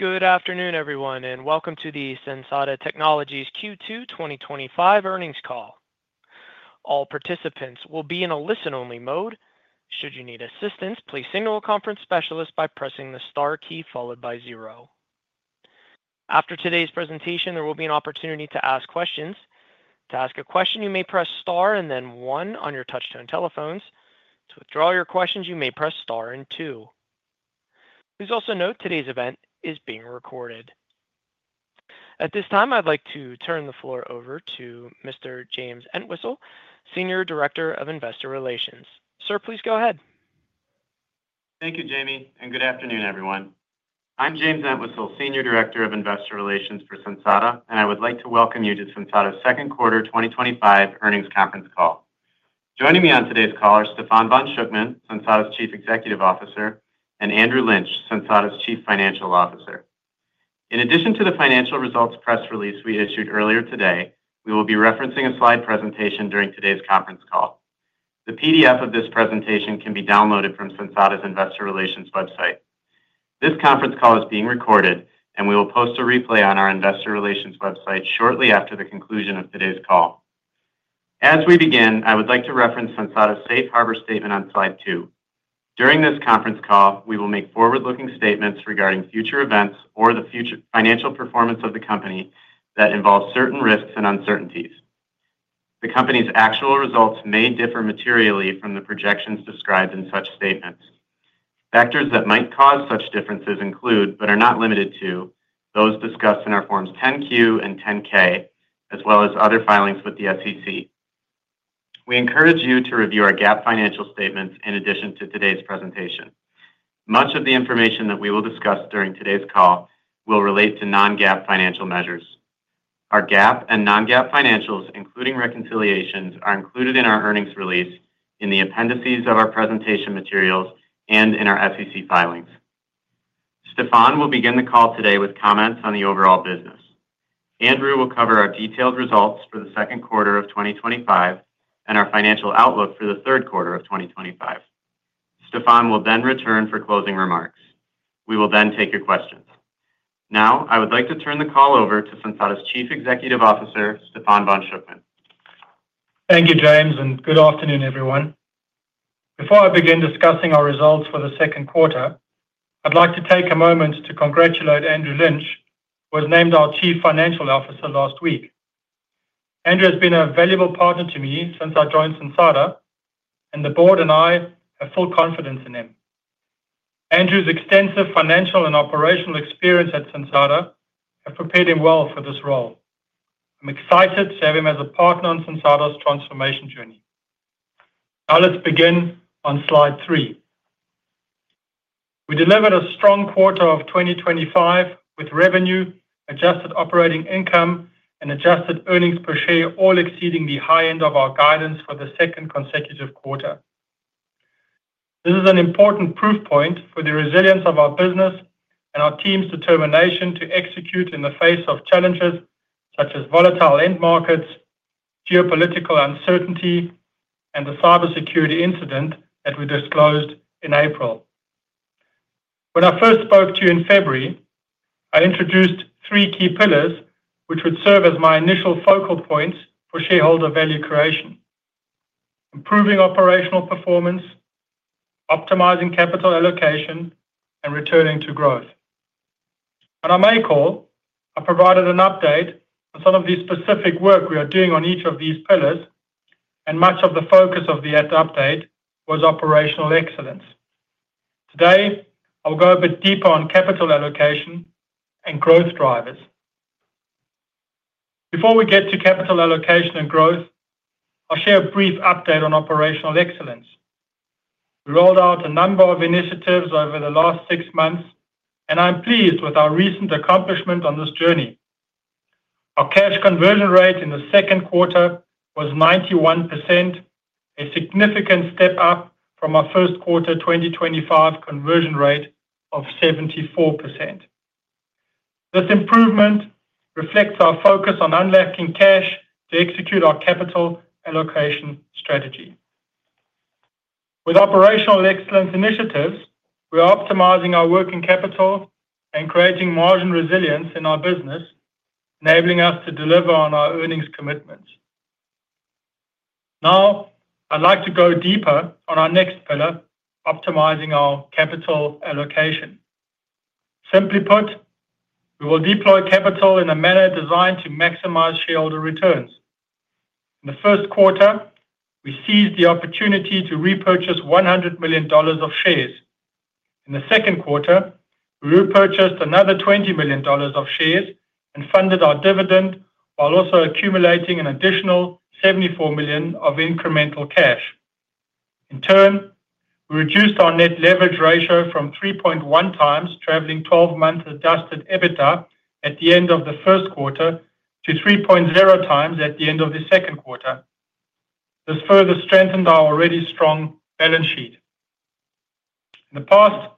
Good afternoon, everyone, and welcome to the Sensata Technologies Q2 2025 earnings call. All participants will be in a listen-only mode. Should you need assistance, please signal a conference specialist by pressing the star key followed by zero. After today's presentation, there will be an opportunity to ask questions. To ask a question, you may press star and then one on your touch-tone telephones. To withdraw your questions, you may press star and two. Please also note today's event is being recorded. At this time, I'd like to turn the floor over to Mr. James Entwistle, Senior Director of Investor Relations. Sir, please go ahead. Thank you, Jamie, and good afternoon, everyone. I'm James Entwistle, Senior Director of Investor Relations for Sensata, and I would like to welcome you to Sensata's second quarter 2025 earnings conference call. Joining me on today's call are Stephan von Schuckmann, Sensata's Chief Executive Officer, and Andrew Lynch, Sensata's Chief Financial Officer. In addition to the financial results press release we issued earlier today, we will be referencing a slide presentation during today's conference call. The PDF of this presentation can be downloaded from Sensata's Investor Relations website. This conference call is being recorded, and we will post a replay on our Investor Relations website shortly after the conclusion of today's call. As we begin, I would like to reference Sensata's safe harbor statement on slide 2. During this conference call, we will make forward-looking statements regarding future events or the financial performance of the company that involve certain risks and uncertainties. The company's actual results may differ materially from the projections described in such statements. Factors that might cause such differences include, but are not limited to, those discussed in our Forms 10-Q and 10-K, as well as other filings with the SEC. We encourage you to review our GAAP financial statements in addition to today's presentation. Much of the information that we will discuss during today's call will relate to non-GAAP financial measures. Our GAAP and non-GAAP financials, including reconciliations, are included in our earnings release, in the appendices of our presentation materials, and in our SEC filings. Stephan will begin the call today with comments on the overall business. Andrew will cover our detailed results for the second quarter of 2025 and our financial outlook for the third quarter of 2025. Stephan will then return for closing remarks. We will then take your questions. Now, I would like to turn the call over to Sensata's Chief Executive Officer, Stephan von Schuckmann. Thank you, James, and good afternoon, everyone. Before I begin discussing our results for the second quarter, I'd like to take a moment to congratulate Andrew Lynch, who was named our Chief Financial Officer last week. Andrew has been a valuable partner to me since I joined Sensata, and the Board and I have full confidence in him. Andrew's extensive financial and operational experience at Sensata has prepared him well for this role. I'm excited to have him as a partner on Sensata's transformation journey. Now, let's begin on slide 3. We delivered a strong quarter of 2025 with revenue, adjusted operating income, and adjusted earnings per share, all exceeding the high end of our guidance for the second consecutive quarter. This is an important proof point for the resilience of our business and our team's determination to execute in the face of challenges such as volatile end markets, geopolitical uncertainty, and the cybersecurity incident that we disclosed in April. When I first spoke to you in February, I introduced three key pillars, which would serve as my initial focal points for shareholder value creation: improving operational performance, optimizing capital allocation, and returning to growth. On our May call, I provided an update on some of the specific work we are doing on each of these pillars, and much of the focus of the update was operational excellence. Today, I'll go a bit deeper on capital allocation and growth drivers. Before we get to capital allocation and growth, I'll share a brief update on operational excellence. We rolled out a number of initiatives over the last six months, and I'm pleased with our recent accomplishment on this journey. Our cash conversion rate in the second quarter was 91%, a significant step up from our first quarter 2025 conversion rate of 74%. This improvement reflects our focus on unlocking cash to execute our capital allocation strategy. With operational excellence initiatives, we are optimizing our working capital and creating margin resilience in our business, enabling us to deliver on our earnings commitments. Now, I'd like to go deeper on our next pillar, optimizing our capital allocation. Simply put, we will deploy capital in a manner designed to maximize shareholder returns. In the first quarter, we seized the opportunity to repurchase $100 million of shares. In the second quarter, we repurchased another $20 million of shares and funded our dividend while also accumulating an additional $74 million of incremental cash. In turn, we reduced our net leverage ratio from 3.1x, trailing 12 months adjusted EBITDA at the end of the first quarter, to 3.0x at the end of the second quarter. This further strengthened our already strong balance sheet. In the past,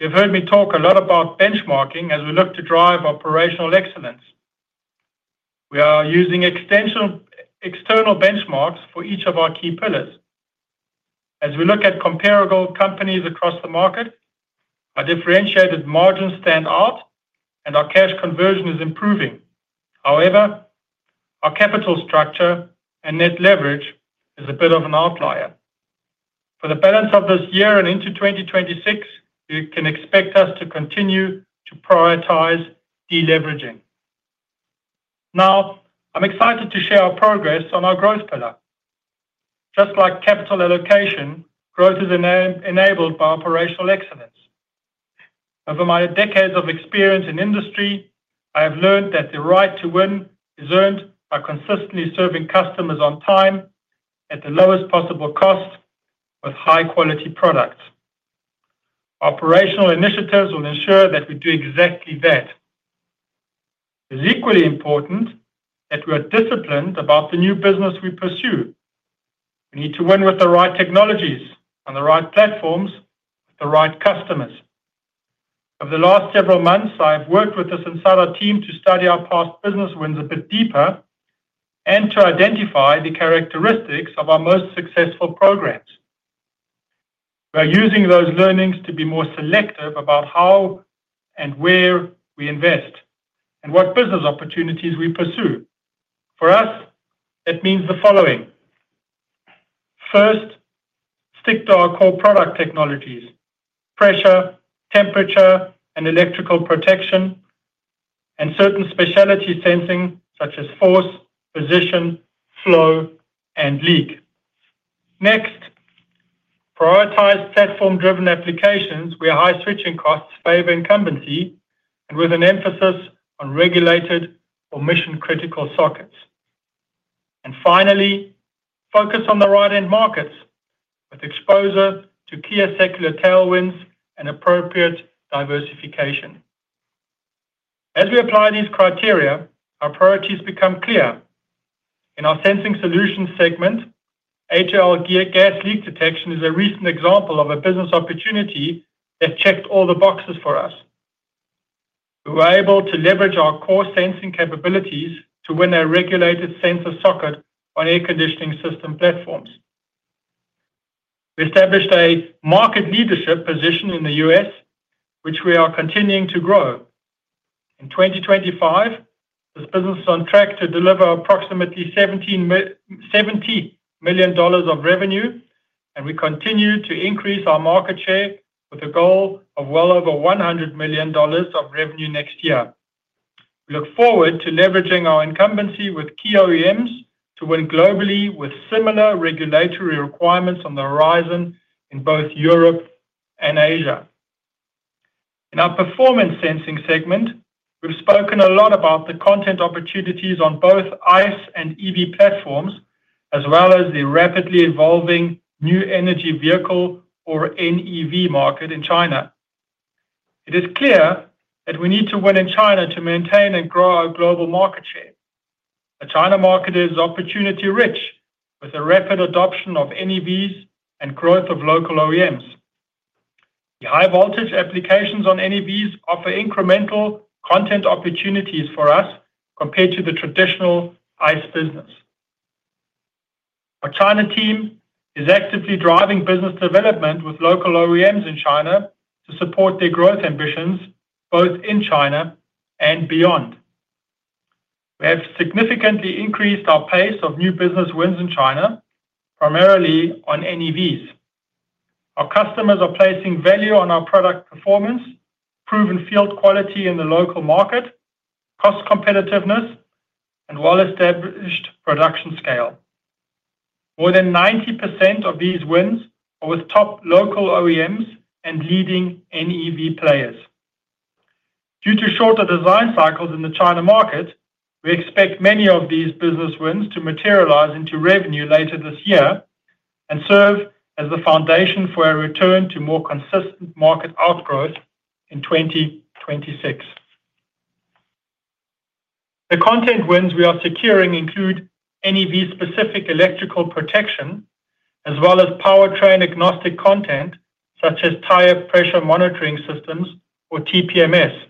you've heard me talk a lot about benchmarking as we look to drive operational excellence. We are using external benchmarks for each of our key pillars. As we look at comparable companies across the market, our differentiated margins stand out, and our cash conversion is improving. However, our capital structure and net leverage is a bit of an outlier. For the balance of this year and into 2026, you can expect us to continue to prioritize deleveraging. Now, I'm excited to share our progress on our growth pillar. Just like capital allocation, growth is enabled by operational excellence. Over my decades of experience in industry, I have learned that the right to win is earned by consistently serving customers on time, at the lowest possible cost, with high-quality products. Operational initiatives will ensure that we do exactly that. It is equally important that we are disciplined about the new business we pursue. We need to win with the right technologies, on the right platforms, with the right customers. Over the last several months, I have worked with the Sensata team to study our past business wins a bit deeper and to identify the characteristics of our most successful programs. We are using those learnings to be more selective about how and where we invest and what business opportunities we pursue. For us, that means the following: first, stick to our core product technologies: pressure, temperature, and electrical protection, and certain specialty sensing such as force, position, flow, and leak. Next, prioritize platform-driven applications where high switching costs favor incumbency and with an emphasis on regulated or mission-critical sockets. Finally, focus on the right end markets with exposure to key secular tailwinds and appropriate diversification. As we apply these criteria, our priorities become clear. In our Sensing Solutions segment, HAL Gear gas leak detection is a recent example of a business opportunity that checked all the boxes for us. We were able to leverage our core sensing capabilities to win a regulated sensor socket on air conditioning system platforms. We established a market leadership position in the U.S., which we are continuing to grow. In 2025, this business is on track to deliver approximately $70 million of revenue, and we continue to increase our market share with a goal of well over $100 million of revenue next year. We look forward to leveraging our incumbency with key OEMs to win globally with similar regulatory requirements on the horizon in both Europe and Asia. In our Performance Sensing segment, we've spoken a lot about the content opportunities on both ICE and EV platforms, as well as the rapidly evolving new energy vehicle, or NEV, market in China. It is clear that we need to win in China to maintain and grow our global market share. The China market is opportunity-rich with a rapid adoption of NEVs and growth of local OEMs. The high-voltage applications on NEVs offer incremental content opportunities for us compared to the traditional ICE business. Our China team is actively driving business development with local OEMs in China to support their growth ambitions, both in China and beyond. We have significantly increased our pace of new business wins in China, primarily on NEVs. Our customers are placing value on our product performance, proven field quality in the local market, cost competitiveness, and well-established production scale. More than 90% of these wins are with top local OEMs and leading NEV players. Due to shorter design cycles in the China market, we expect many of these business wins to materialize into revenue later this year and serve as the foundation for a return to more consistent market outgrowth in 2026. The content wins we are securing include NEV-specific electrical protection, as well as powertrain-agnostic content such as tire pressure monitoring systems, or TPMS.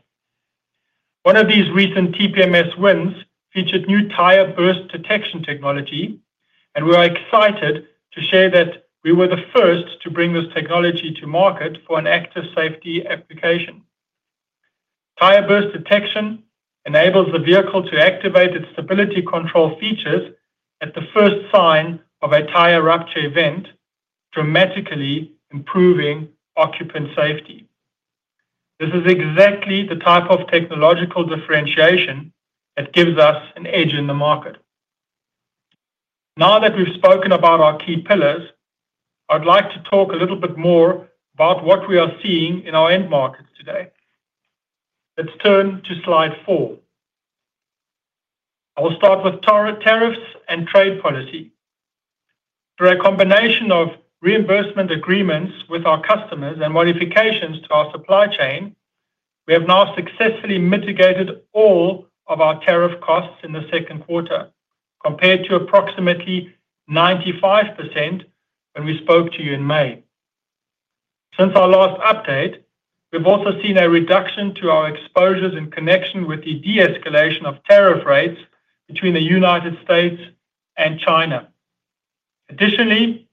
One of these recent TPMS wins featured new tire burst detection technology, and we are excited to share that we were the first to bring this technology to market for an active safety application. Tire burst detection enables the vehicle to activate its stability control features at the first sign of a tire rupture event, dramatically improving occupant safety. This is exactly the type of technological differentiation that gives us an edge in the market. Now that we've spoken about our key pillars, I would like to talk a little bit more about what we are seeing in our end markets today. Let's turn to slide 4. I will start with tariffs and trade policy. Through a combination of reimbursement agreements with our customers and modifications to our supply chain, we have now successfully mitigated all of our tariff costs in the second quarter, compared to approximately 95% when we spoke to you in May. Since our last update, we've also seen a reduction to our exposures in connection with the de-escalation of tariff rates between the United States and China. Additionally,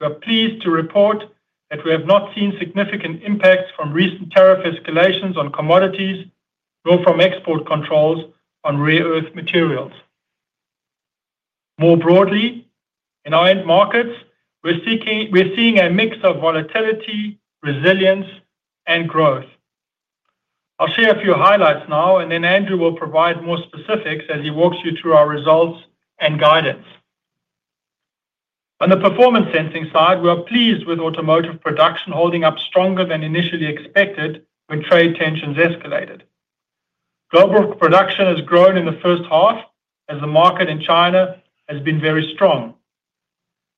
we are pleased to report that we have not seen significant impacts from recent tariff escalations on commodities, nor from export controls on rare earth materials. More broadly, in our end markets, we're seeing a mix of volatility, resilience, and growth. I'll share a few highlights now, and then Andrew will provide more specifics as he walks you through our results and guidance. On the Performance Sensing side, we are pleased with automotive production holding up stronger than initially expected when trade tensions escalated. Global production has grown in the first half, as the market in China has been very strong.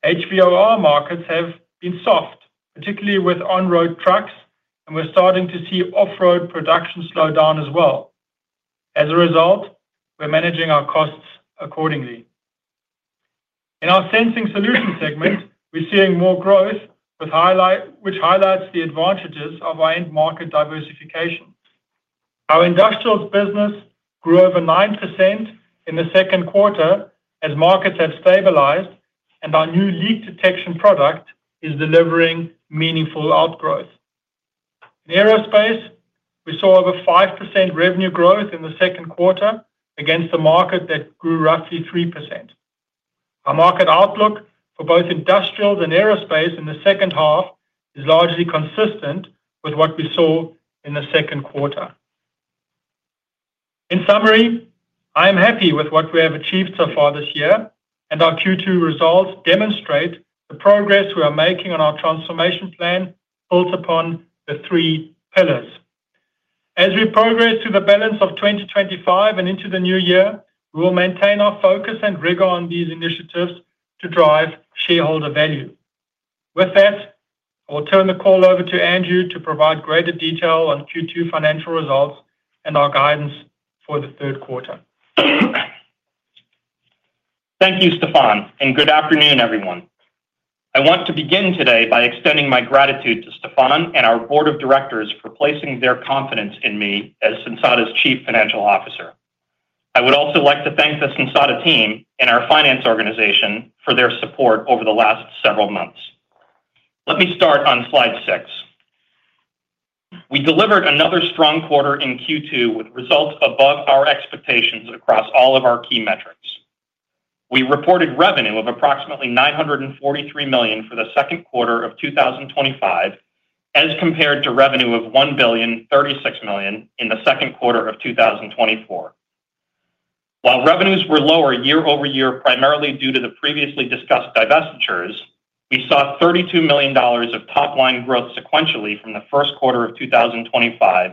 HVOR markets have been soft, particularly with on-road trucks, and we're starting to see off-road production slow down as well. As a result, we're managing our costs accordingly. In our Sensing Solutions segment, we're seeing more growth, which highlights the advantages of our end market diversification. Our industrials business grew over 9% in the second quarter as markets have stabilized, and our new leak detection product is delivering meaningful outgrowth. In aerospace, we saw over 5% revenue growth in the second quarter against a market that grew roughly 3%. Our market outlook for both industrials and aerospace in the second half is largely consistent with what we saw in the second quarter. In summary, I am happy with what we have achieved so far this year, and our Q2 results demonstrate the progress we are making on our transformation plan built upon the three pillars. As we progress through the balance of 2025 and into the new year, we will maintain our focus and rigor on these initiatives to drive shareholder value. With that, I will turn the call over to Andrew to provide greater detail on Q2 financial results and our guidance for the third quarter. Thank you, Stephan, and good afternoon, everyone. I want to begin today by extending my gratitude to Stephan and our Board of Directors for placing their confidence in me as Sensata's Chief Financial Officer. I would also like to thank the Sensata Team and our Finance organization for their support over the last several months. Let me start on slide 6. We delivered another strong quarter in Q2 with results above our expectations across all of our key metrics. We reported revenue of approximately $943 million for the second quarter of 2025, as compared to revenue of $1,036 billion in the second quarter of 2024. While revenues were lower year-over-year, primarily due to the previously discussed divestitures, we saw $32 million of top-line growth sequentially from the first quarter of 2025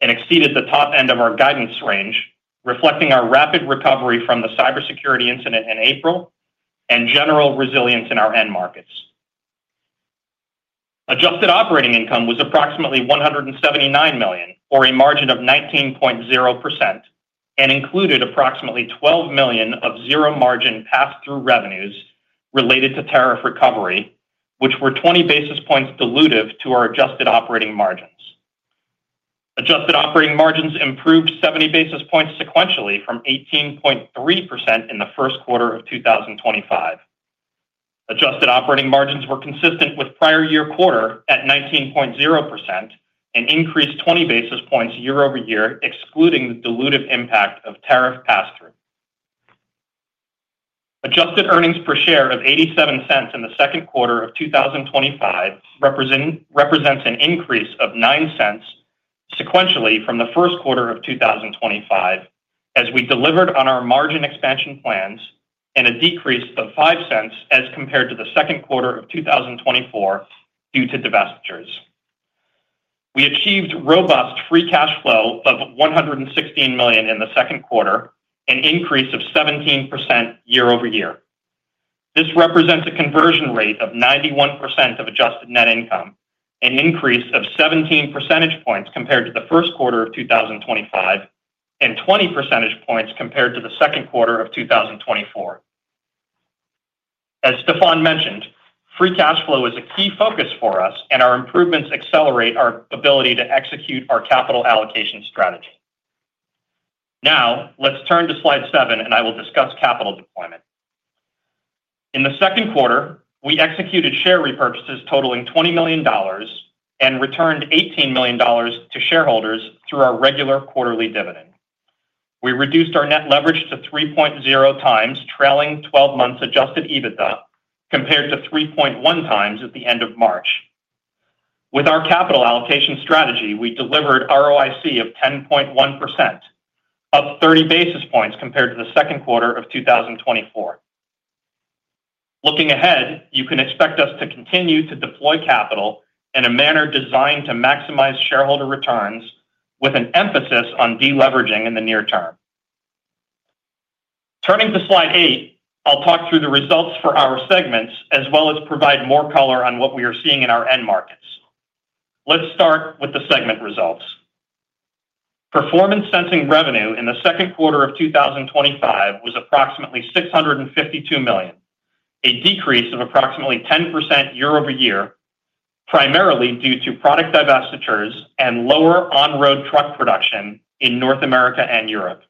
and exceeded the top end of our guidance range, reflecting our rapid recovery from the cybersecurity incident in April and general resilience in our end markets. Adjusted operating income was approximately $179 million, or a margin of 19.0%, and included approximately $12 million of zero margin pass-through revenues related to tariff recovery, which were 20 basis points dilutive to our adjusted operating margins. Adjusted operating margins improved 70 basis points sequentially from 18.3% in the first quarter of 2025. Adjusted operating margins were consistent with the prior year quarter at 19.0% and increased 20 basis points year-over-year, excluding the dilutive impact of tariff pass-through. Adjusted earnings per share of $0.87 in the second quarter of 2025 represents an increase of $0.09 sequentially from the first quarter of 2025, as we delivered on our margin expansion plans and a decrease of $0.05 as compared to the second quarter of 2024 due to divestitures. We achieved robust free cash flow of $116 million in the second quarter, an increase of 17% year-over-year. This represents a conversion rate of 91% of adjusted net income, an increase of 17 percentage points compared to the first quarter of 2025, and 20 percentage points compared to the second quarter of 2024. As Stephan mentioned, free cash flow is a key focus for us, and our improvements accelerate our ability to execute our capital allocation strategy. Now, let's turn to slide 7, and I will discuss capital deployment. In the second quarter, we executed share repurchases totaling $20 million and returned $18 million to shareholders through our regular quarterly dividend. We reduced our net leverage to 3.0x trailing 12 months adjusted EBITDA compared to 3.1x at the end of March. With our capital allocation strategy, we delivered ROIC of 10.1%, up 30 basis points compared to the second quarter of 2024. Looking ahead, you can expect us to continue to deploy capital in a manner designed to maximize shareholder returns with an emphasis on deleveraging in the near term. Turning to slide 8, I'll talk through the results for our segments, as well as provide more color on what we are seeing in our end markets. Let's start with the segment results. Performance Sensing revenue in the second quarter of 2025 was approximately $652 million, a decrease of approximately 10% year-over-year, primarily due to product divestitures and lower on-road truck production in North America and Europe.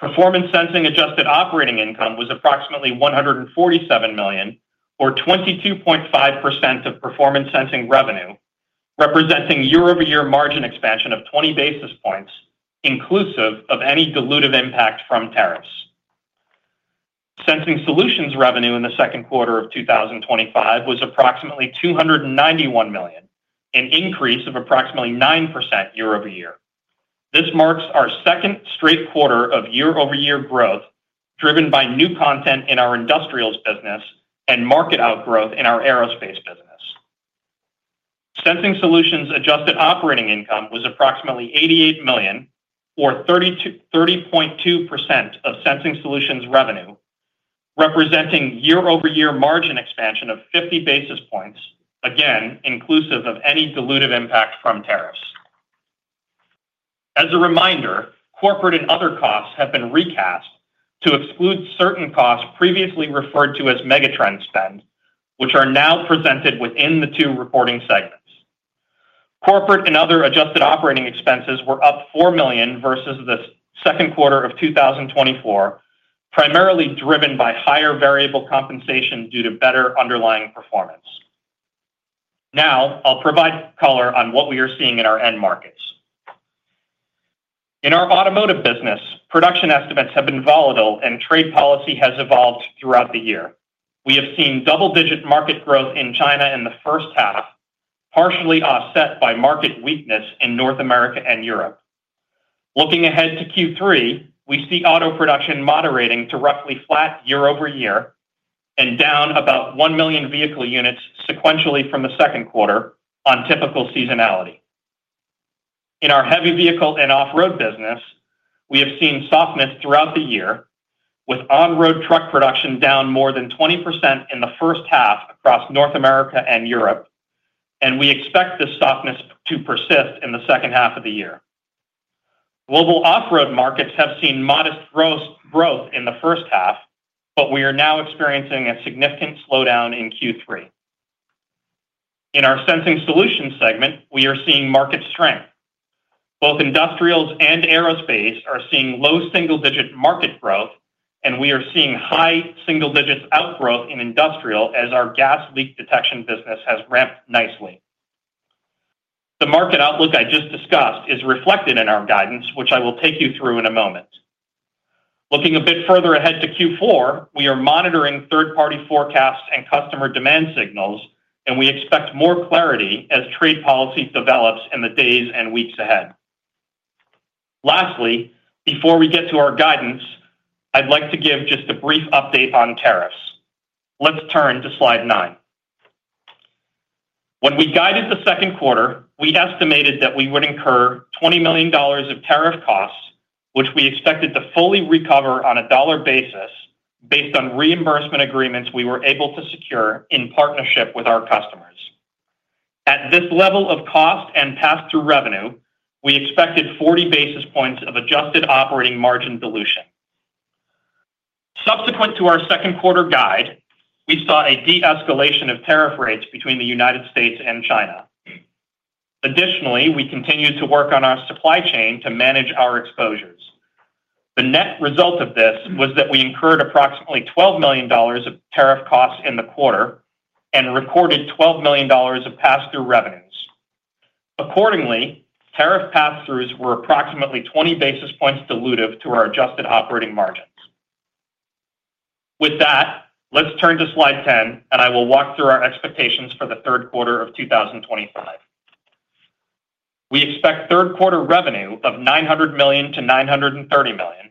Performance Sensing adjusted operating income was approximately $147 million, or 22.5% of Performance Sensing revenue, representing year-over-year margin expansion of 20 basis points, inclusive of any dilutive impact from tariffs. Sensing Solutions revenue in the second quarter of 2025 was approximately $291 million, an increase of approximately 9% year-over-year. This marks our second straight quarter of year-over-year growth, driven by new content in our industrials business and market outgrowth in our aerospace business. Sensing Solutions adjusted operating income was approximately $88 million, or 30.2% of Sensing Solutions revenue, representing year-over-year margin expansion of 50 basis points, again, inclusive of any dilutive impact from tariffs. As a reminder, corporate and other costs have been recast to exclude certain costs previously referred to as megatrend spend, which are now presented within the two reporting segments. Corporate and other adjusted operating expenses were up $4 million versus the second quarter of 2024, primarily driven by higher variable compensation due to better underlying performance. Now, I'll provide color on what we are seeing in our end markets. In our automotive business, production estimates have been volatile, and trade policy has evolved throughout the year. We have seen double-digit market growth in China in the first half, partially offset by market weakness in North America and Europe. Looking ahead to Q3, we see auto production moderating to roughly flat year-over-year and down about 1 million vehicle units sequentially from the second quarter on typical seasonality. In our heavy vehicle and off-road business, we have seen softness throughout the year, with on-road truck production down more than 20% in the first half across North America and Europe, and we expect this softness to persist in the second half of the year. Global off-road markets have seen modest growth in the first half, but we are now experiencing a significant slowdown in Q3. In our Sensing Solutions segment, we are seeing market strength. Both industrials and aerospace are seeing low single-digit market growth, and we are seeing high single-digit outgrowth in industrial as our gas leak detection business has ramped nicely. The market outlook I just discussed is reflected in our guidance, which I will take you through in a moment. Looking a bit further ahead to Q4, we are monitoring third-party forecasts and customer demand signals, and we expect more clarity as trade policy develops in the days and weeks ahead. Lastly, before we get to our guidance, I'd like to give just a brief update on tariffs. Let's turn to slide 9. When we guided the second quarter, we estimated that we would incur $20 million of tariff costs, which we expected to fully recover on a dollar basis based on reimbursement agreements we were able to secure in partnership with our customers. At this level of cost and pass-through revenue, we expected 40 basis points of adjusted operating margin dilution. Subsequent to our second quarter guide, we saw a de-escalation of tariff rates between the United States and China. Additionally, we continued to work on our supply chain to manage our exposures. The net result of this was that we incurred approximately $12 million of tariff costs in the quarter and recorded $12 million of pass-through revenues. Accordingly, tariff pass-throughs were approximately 20 basis points dilutive to our adjusted operating margins. With that, let's turn to slide 10, and I will walk through our expectations for the third quarter of 2025. We expect third-quarter revenue of $900 million-$930 million,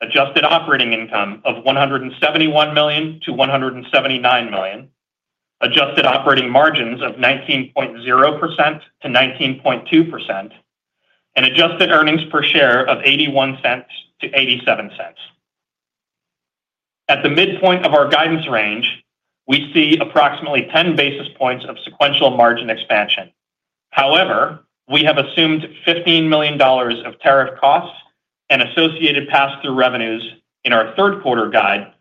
adjusted operating income of $171 million-$179 million, adjusted operating margins of 19.0%-19.2%, and adjusted earnings per share of $0.81-$0.87. At the midpoint of our guidance range, we see approximately 10 basis points of sequential margin expansion. However, we have assumed $15 million of tariff costs and associated pass-through revenues in our third-quarter guide,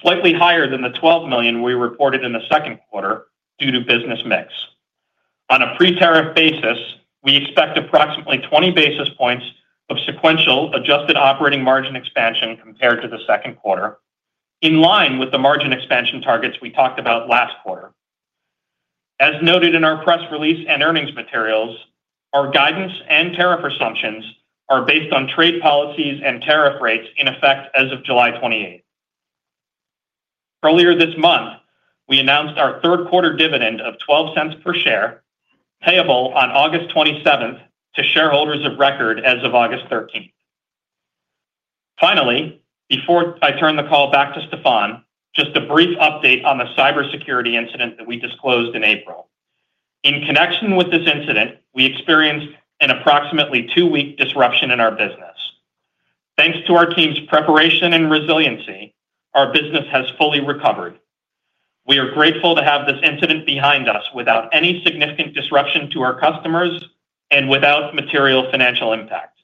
slightly higher than the $12 million we reported in the second quarter due to business mix. On a pre-tariff basis, we expect approximately 20 basis points of sequential adjusted operating margin expansion compared to the second quarter, in line with the margin expansion targets we talked about last quarter. As noted in our press release and earnings materials, our guidance and tariff assumptions are based on trade policies and tariff rates in effect as of July 28. Earlier this month, we announced our third-quarter dividend of $0.12 per share, payable on August 27 to shareholders of record as of August 13. Finally, before I turn the call back to Stephan, just a brief update on the cybersecurity incident that we disclosed in April. In connection with this incident, we experienced an approximately two-week disruption in our business. Thanks to our team's preparation and resiliency, our business has fully recovered. We are grateful to have this incident behind us without any significant disruption to our customers and without material financial impact.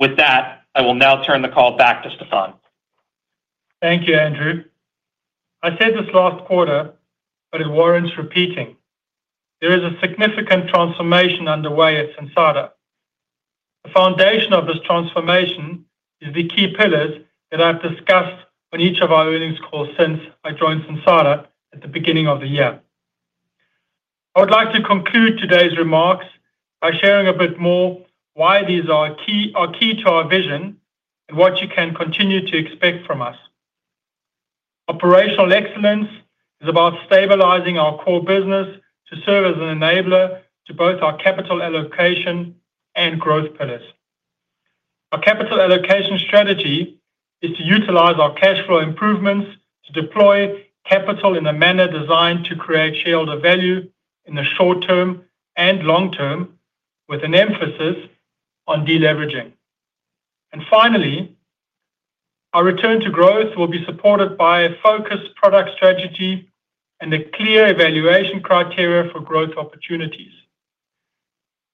With that, I will now turn the call back to Stephan. Thank you, Andrew. I said this last quarter, but it warrants repeating. There is a significant transformation underway at Sensata. The foundation of this transformation is the key pillars that I've discussed on each of our earnings calls since I joined Sensata at the beginning of the year. I would like to conclude today's remarks by sharing a bit more why these are key to our vision and what you can continue to expect from us. Operational excellence is about stabilizing our core business to serve as an enabler to both our capital allocation and growth pillars. Our capital allocation strategy is to utilize our cash flow improvements to deploy capital in a manner designed to create shareholder value in the short-term and long-term, with an emphasis on deleveraging. Our return to growth will be supported by a focused product strategy and a clear evaluation criteria for growth opportunities.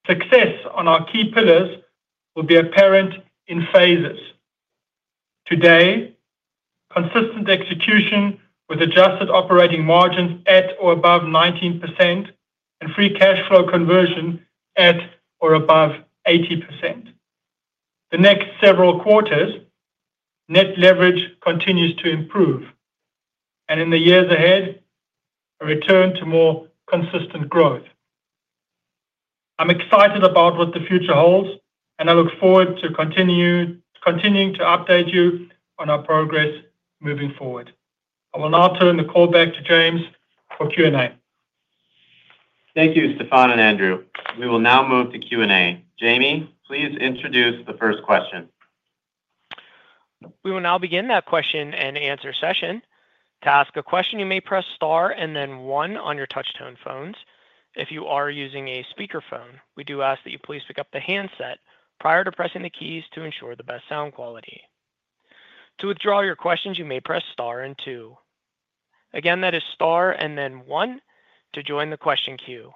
Success on our key pillars will be apparent in phases. Today, consistent execution with adjusted operating margins at or above 19% and free cash flow conversion at or above 80%. The next several quarters, net leverage continues to improve, and in the years ahead, a return to more consistent growth. I'm excited about what the future holds, and I look forward to continuing to update you on our progress moving forward. I will now turn the call back to James for Q&A. Thank you, Stephan and Andrew. We will now move to Q&A. Jamie, please introduce the first question. We will now begin the question-and-answer session. To ask a question, you may press star and then one on your touch-tone phones. If you are using a speakerphone, we do ask that you please pick up the handset prior to pressing the keys to ensure the best sound quality. To withdraw your questions, you may press star and two. Again, that is star and then one to join the question queue.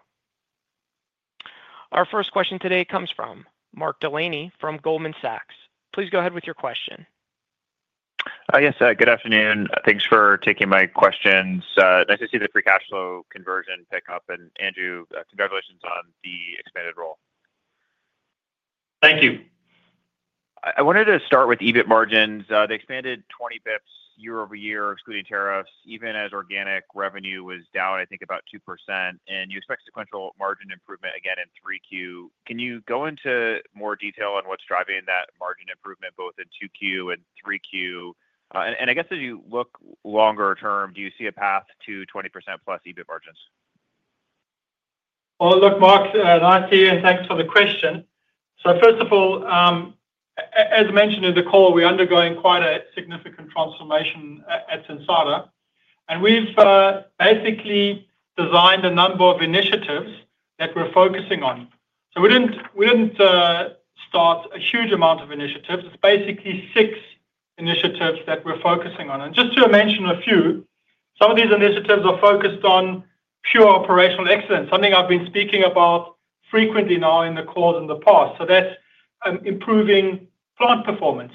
Our first question today comes from Mark Delaney from Goldman Sachs. Please go ahead with your question. Yes, good afternoon. Thanks for taking my questions. Nice to see the free cash flow conversion pick up. Andrew, congratulations on the expanded role. Thank you. I wanted to start with EBIT margins. They expanded 20 bps year-over-year, excluding tariffs, even as organic revenue was down, I think, about 2%. You expect sequential margin improvement again in 3Q. Can you go into more detail on what's driving that margin improvement both in 2Q and 3Q? As you look longer-term, do you see a path to 20%+ EBIT margins? Mark, nice to hear. Thanks for the question. First of all, as mentioned in the call, we're undergoing quite a significant transformation at Sensata, and we've basically designed a number of initiatives that we're focusing on. We didn't start a huge amount of initiatives. It's basically six initiatives that we're focusing on. Just to mention a few, some of these initiatives are focused on pure operational excellence, something I've been speaking about frequently now in the calls in the past. That's improving plant performance.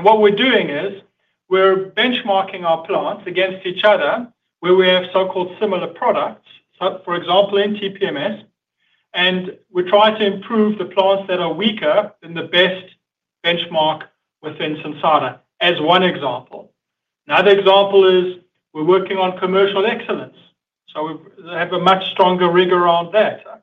What we're doing is we're benchmarking our plants against each other where we have so-called similar products, for example, in TPMS, and we try to improve the plants that are weaker than the best benchmark within Sensata as one example. Another example is we're working on commercial excellence. We have a much stronger rigor around that.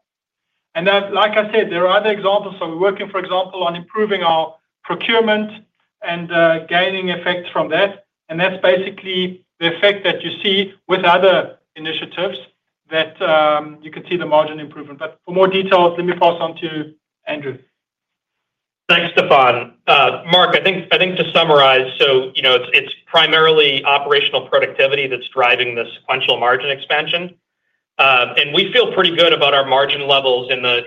Like I said, there are other examples. We're working, for example, on improving our procurement and gaining effects from that. That's basically the effect that you see with other initiatives that you can see the margin improvement. For more details, let me pass on to Andrew. Thanks, Stephan. Mark, I think to summarize, it's primarily operational productivity that's driving the sequential margin expansion. We feel pretty good about our margin levels in the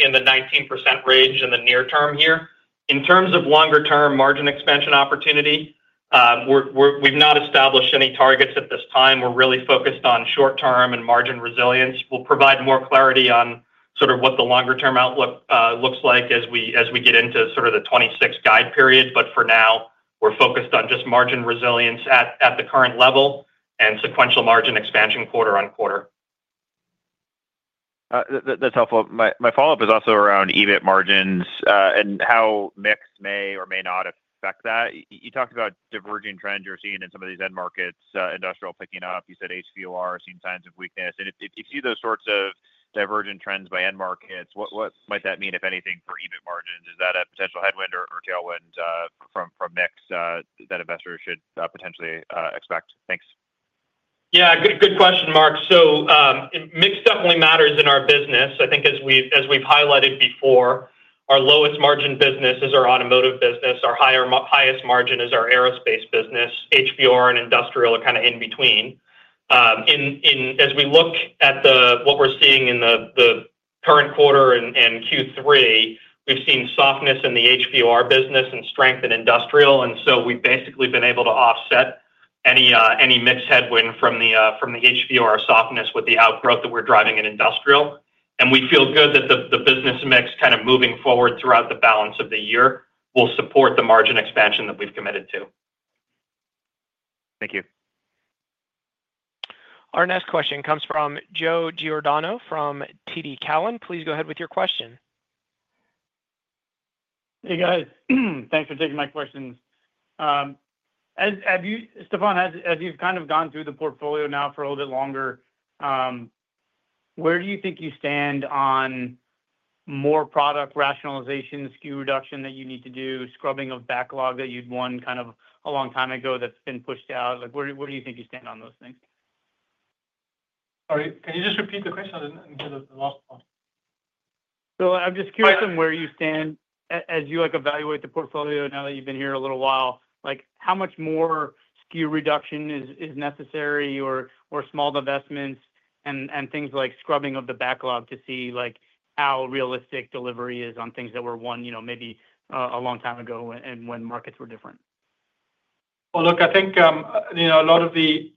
19% range in the near term here. In terms of longer-term margin expansion opportunity, we've not established any targets at this time. We're really focused on short-term and margin resilience. We'll provide more clarity on what the longer-term outlook looks like as we get into the 2026 guide period. For now, we're focused on just margin resilience at the current level and sequential margin expansion quarter-on-quarter. That's helpful. My follow-up is also around EBIT margins and how mix may or may not affect that. You talked about diverging trends you're seeing in some of these end markets, industrial picking up. You said HVOR seeing signs of weakness. If you see those sorts of divergent trends by end markets, what might that mean, if anything, for EBIT margins? Is that a potential headwind or tailwind from mix that investors should potentially expect? Thanks. Yeah, good question, Mark. Mix definitely matters in our business. I think as we've highlighted before, our lowest margin business is our Automotive business. Our highest margin is our Aerospace business. HVOR and Industrial are kind of in between. As we look at what we're seeing in the current quarter and Q3, we've seen softness in the HVOR business and strength in Industrial. We've basically been able to offset any mix headwind from the HVOR softness with the outgrowth that we're driving in Industrial. We feel good that the business mix moving forward throughout the balance of the year will support the margin expansion that we've committed to. Thank you. Our next question comes from Joe Giordano from TD Cowen. Please go ahead with your question. Hey, guys. Thanks for taking my questions. Stephan, as you've kind of gone through the portfolio now for a little bit longer, where do you think you stand on more product rationalization, SKU reduction that you need to do, scrubbing of backlog that you'd won kind of a long time ago that's been pushed out? Where do you think you stand on those things? Sorry, can you just repeat the question? I didn't get the last part. I'm just curious on where you stand as you evaluate the portfolio now that you've been here a little while. How much more SKU reduction is necessary or small divestments and things like scrubbing of the backlog to see how realistic delivery is on things that were won maybe a long time ago and when markets were different? I think you know a lot of the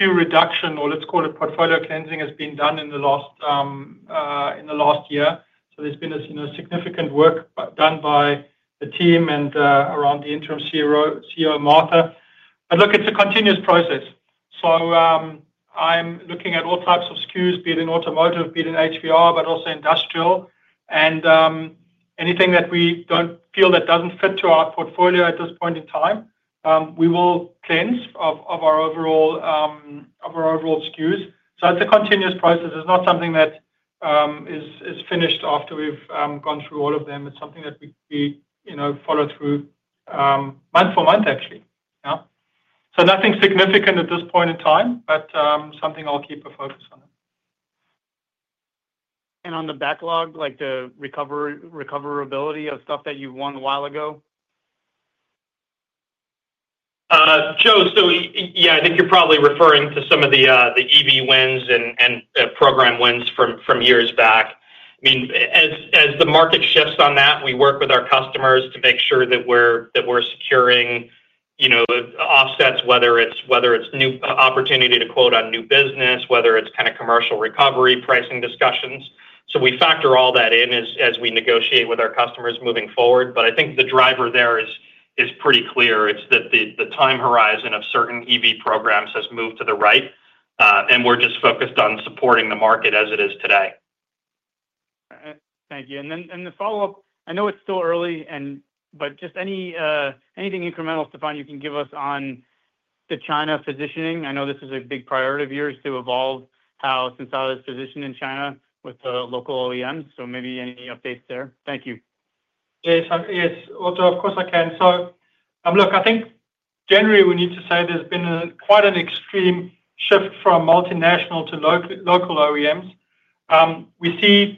SKU reduction, or let's call it portfolio cleansing, has been done in the last year. There's been significant work done by the team and around the interim CEO, Martha. It's a continuous process. I'm looking at all types of SKUs, being in Automotive, being in HVOR, but also Industrial. Anything that we don't feel fits our portfolio at this point in time, we will cleanse from our overall SKUs. It's a continuous process. It's not something that is finished after we've gone through all of them. It's something that we follow through month for month, actually. Nothing significant at this point in time, but it's something I'll keep a focus on. On the backlog, like the recoverability of stuff that you won a while ago? Yeah, I think you're probably referring to some of the EV wins and program wins from years back. As the market shifts on that, we work with our customers to make sure that we're securing offsets, whether it's new opportunity to quote on new business or commercial recovery pricing discussions. We factor all that in as we negotiate with our customers moving forward. I think the driver there is pretty clear. It's that the time horizon of certain EV programs has moved to the right, and we're just focused on supporting the market as it is today. Thank you. The follow-up, I know it's still early, but just anything incremental, Stephan, you can give us on the China positioning. I know this is a big priority of yours to evolve how Sensata is positioned in China with the local OEMs. Maybe any updates there. Thank you. Yes, yes. Of course, I can. I think generally we need to say there's been quite an extreme shift from multinational to local OEMs. We see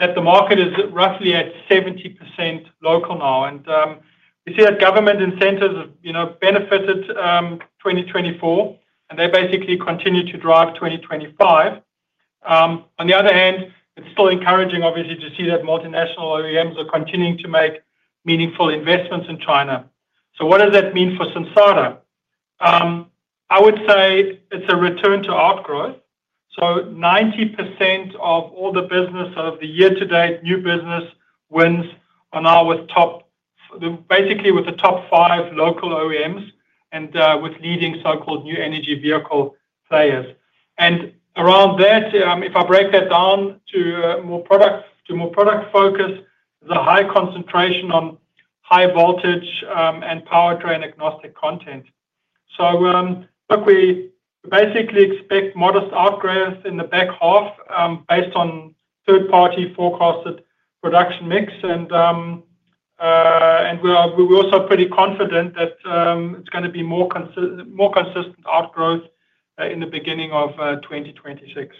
that the market is roughly at 70% local now. We see that government incentives have benefited 2024, and they basically continue to drive 2025. On the other hand, it's still encouraging, obviously, to see that multinational OEMs are continuing to make meaningful investments in China. What does that mean for Sensata? I would say it's a return to outgrowth. 90% of all the business of the year-to-date new business wins are now basically with the top five local OEMs and with leading so-called new energy vehicle players. Around that, if I break that down to more product-focused, there's a high concentration on high voltage and powertrain-agnostic content. We basically expect modest outgrowth in the back half based on third-party forecasted production mix. We're also pretty confident that it's going to be more consistent outgrowth in the beginning of 2026.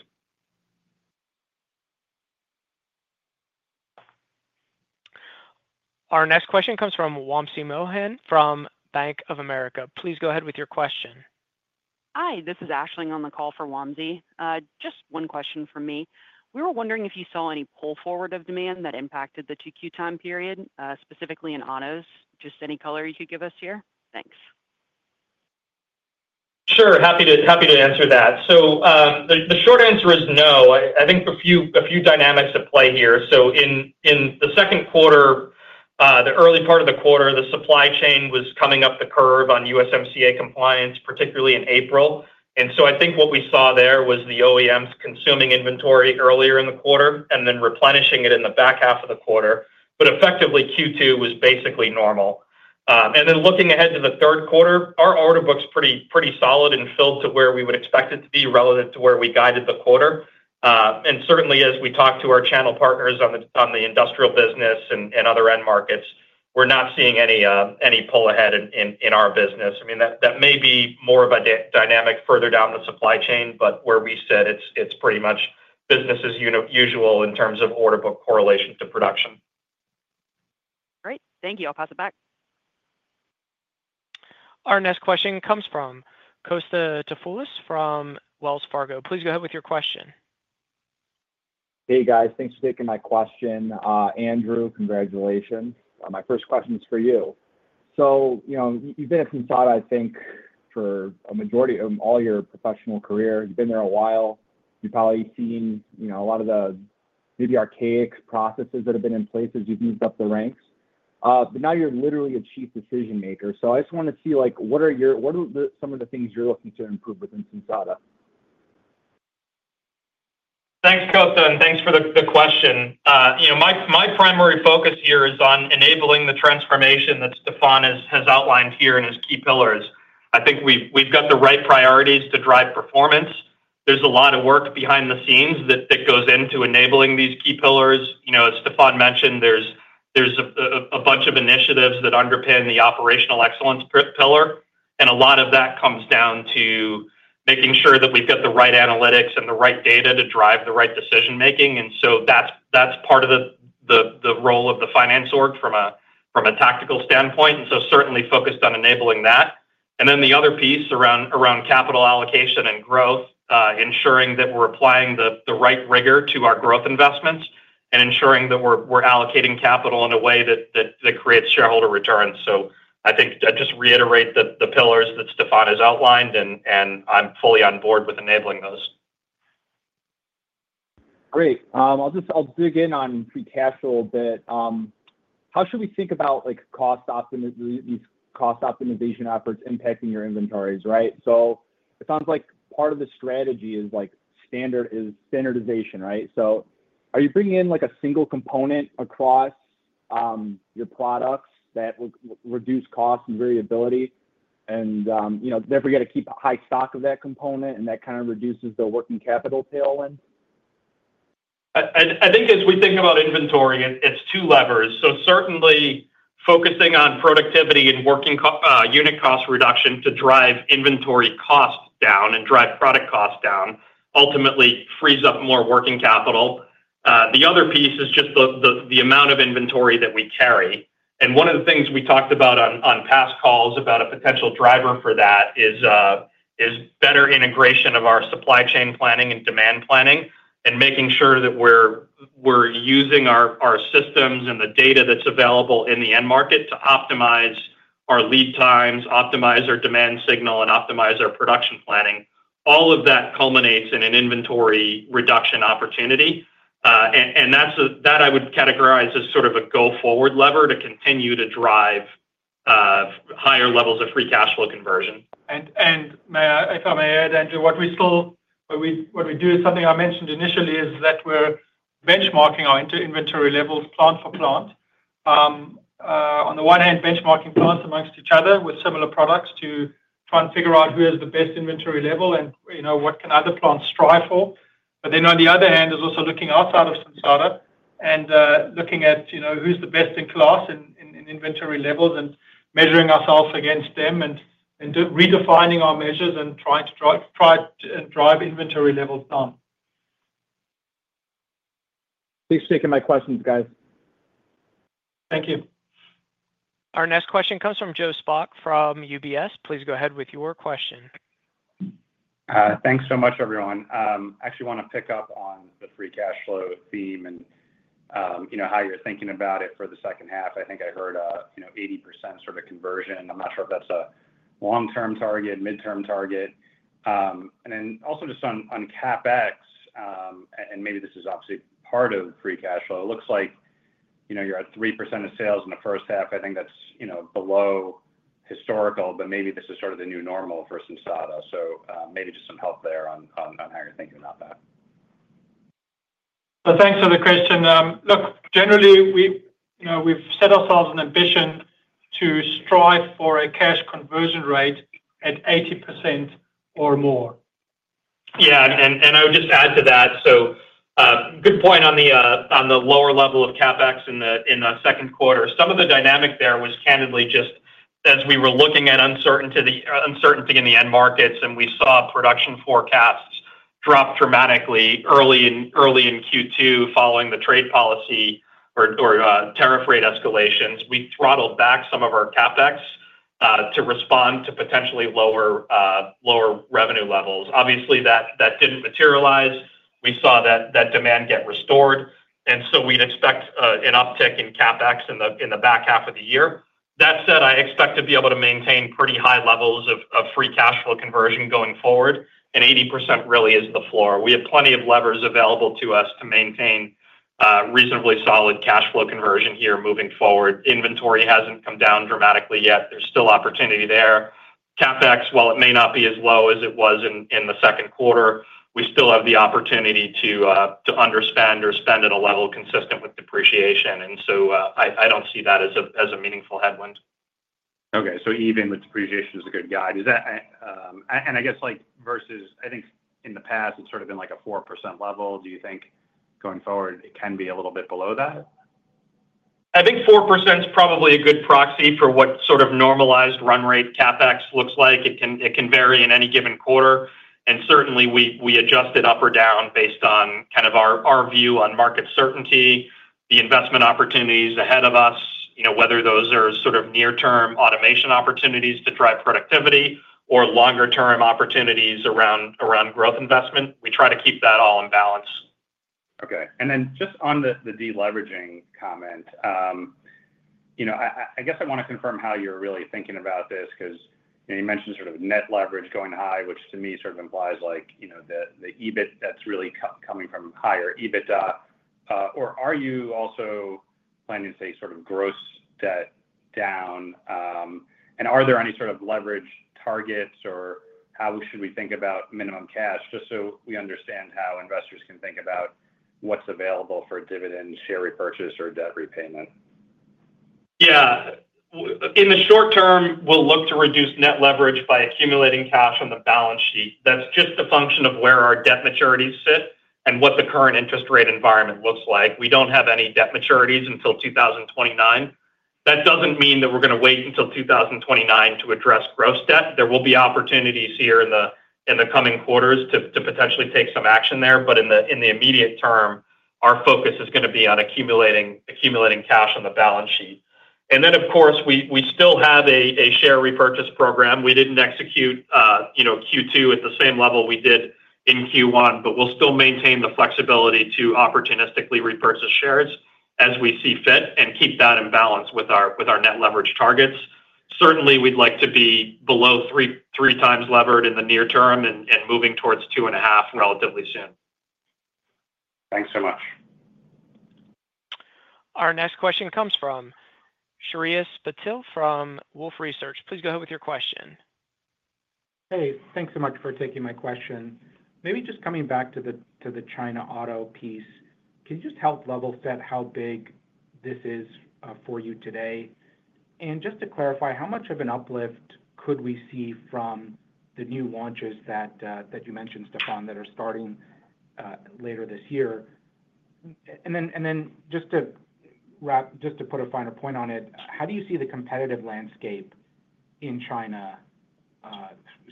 Our next question comes from Wamsi Mohan from Bank of America. Please go ahead with your question. Hi, this is Ashley on the call for Wamsi. Just one question from me. We were wondering if you saw any pull forward of demand that impacted the 2Q time period, specifically in Autos. Just any color you could give us here? Thanks. Sure, happy to answer that. The short answer is no. I think a few dynamics at play here. In the second quarter, the early part of the quarter, the supply chain was coming up the curve on USMCA compliance, particularly in April. I think what we saw there was the OEMs consuming inventory earlier in the quarter and then replenishing it in the back half of the quarter. Effectively, Q2 was basically normal. Looking ahead to the third quarter, our order book's pretty solid and filled to where we would expect it to be relative to where we guided the quarter. Certainly, as we talk to our channel partners on the industrial business and other end markets, we're not seeing any pull ahead in our business. That may be more of a dynamic further down the supply chain, but where we sit, it's pretty much business as usual in terms of order book correlation to production. Great. Thank you. I'll pass it back. Our next question comes from Kosta Tasoulis from Wells Fargo. Please go ahead with your question. Hey, guys. Thanks for taking my question. Andrew, congratulations. My first question is for you. You've been at Sensata, I think, for a majority of all your professional career. You've been there a while. You've probably seen a lot of the maybe archaic processes that have been in place as you've moved up the ranks. Now you're literally a Chief Decision-Maker. I just want to see what are some of the things you're looking to improve within Sensata? Thanks, Kosta, and thanks for the question. You know, my primary focus here is on enabling the transformation that Stephan has outlined here in his key pillars. I think we've got the right priorities to drive performance. There's a lot of work behind the scenes that goes into enabling these key pillars. As Stephan mentioned, there's a bunch of initiatives that underpin the operational excellence pillar. A lot of that comes down to making sure that we've got the right analytics and the right data to drive the right decision-making. That's part of the role of the finance org from a tactical standpoint. I'm certainly focused on enabling that. The other piece around capital allocation and growth is ensuring that we're applying the right rigor to our growth investments and ensuring that we're allocating capital in a way that creates shareholder returns. I think I'd just reiterate the pillars that Stephan has outlined, and I'm fully on board with enabling those. Great. I'll just dig in on free cash flow a bit. How should we think about these cost optimization efforts impacting your inventories, right? It sounds like part of the strategy is standardization, right? Are you bringing in like a single component across your products that will reduce cost and variability? You know, therefore, you got to keep a high stock of that component, and that kind of reduces the working capital tailwind? I think as we think about inventory, it's two levers. Certainly focusing on productivity and working unit cost reduction to drive inventory costs down and drive product costs down ultimately frees up more working capital. The other piece is just the amount of inventory that we carry. One of the things we talked about on past calls about a potential driver for that is better integration of our supply chain planning and demand planning and making sure that we're using our systems and the data that's available in the end market to optimize our lead times, optimize our demand signal, and optimize our production planning. All of that culminates in an inventory reduction opportunity. I would categorize that as sort of a go-forward lever to continue to drive higher levels of free cash flow conversion. If I may add, Andrew, what we do is something I mentioned initially is that we're benchmarking our inventory levels plant for plant. On the one hand, benchmarking plants amongst each other with similar products to try and figure out who has the best inventory level and what can other plants strive for. On the other hand, there's also looking outside of Sensata and looking at who's the best in class in inventory levels and measuring ourselves against them and redefining our measures and trying to drive inventory levels down. Thanks for taking my questions, guys. Thank you. Our next question comes from Joe Spak from UBS. Please go ahead with your question. Thanks so much, everyone. I actually want to pick up on the free cash flow theme and how you're thinking about it for the second half. I think I heard 80% sort of conversion. I'm not sure if that's a long-term target, mid-term target. Also, just on CapEx, and maybe this is obviously part of free cash flow, it looks like you're at 3% of sales in the first half. I think that's below historical, but maybe this is sort of the new normal for Sensata. Maybe just some help there on how you're thinking about that. Thanks for the question. Look, generally, we've set ourselves an ambition to strive for a cash conversion rate at 80% or more. Yeah, and I would just add to that. Good point on the lower level of CapEx in the second quarter. Some of the dynamic there was candidly just as we were looking at uncertainty in the end markets, and we saw production forecasts drop dramatically early in Q2 following the trade policy or tariff rate escalations, we throttled back some of our CapEx to respond to potentially lower revenue levels. Obviously, that didn't materialize. We saw that demand get restored. We'd expect an uptick in CapEx in the back half of the year. That said, I expect to be able to maintain pretty high levels of free cash flow conversion going forward, and 80% really is the floor. We have plenty of levers available to us to maintain reasonably solid cash flow conversion here moving forward. Inventory hasn't come down dramatically yet. There's still opportunity there. CapEx, while it may not be as low as it was in the second quarter, we still have the opportunity to underspend or spend at a level consistent with depreciation. I don't see that as a meaningful headwind. Okay. Even with depreciation as a good guide, I guess like versus, I think in the past, it's sort of been like a 4% level. Do you think going forward it can be a little bit below that? I think 4% is probably a good proxy for what sort of normalized run rate CapEx looks like. It can vary in any given quarter. We adjust it up or down based on kind of our view on market certainty, the investment opportunities ahead of us, whether those are sort of near-term automation opportunities to drive productivity or longer-term opportunities around growth investment. We try to keep that all in balance. Okay. On the deleveraging comment, I want to confirm how you're really thinking about this because you mentioned sort of net leverage going high, which to me implies the EBIT that's really coming from higher EBITDA. Are you also planning to say sort of gross debt down? Are there any leverage targets or how should we think about minimum cash just so we understand how investors can think about what's available for dividends, share repurchase, or debt repayment? Yeah. In the short-term, we'll look to reduce net leverage by accumulating cash on the balance sheet. That's just a function of where our debt maturities sit and what the current interest rate environment looks like. We don't have any debt maturities until 2029. That doesn't mean that we're going to wait until 2029 to address gross debt. There will be opportunities here in the coming quarters to potentially take some action there. In the immediate term, our focus is going to be on accumulating cash on the balance sheet. Of course, we still have a share repurchase program. We didn't execute Q2 at the same level we did in Q1, but we'll still maintain the flexibility to opportunistically repurchase shares as we see fit and keep that in balance with our net leverage targets. Certainly, we'd like to be below 3x levered in the near term and moving towards 2.5x relatively soon. Thanks so much. Our next question comes from Shreyas Patil from Wolfe Research. Please go ahead with your question. Hey, thanks so much for taking my question. Maybe just coming back to the China Auto piece, can you help level set how big this is for you today? Just to clarify, how much of an uplift could we see from the new launches that you mentioned, Stephan, that are starting later this year? Just to wrap, to put a finer point on it, how do you see the competitive landscape in China,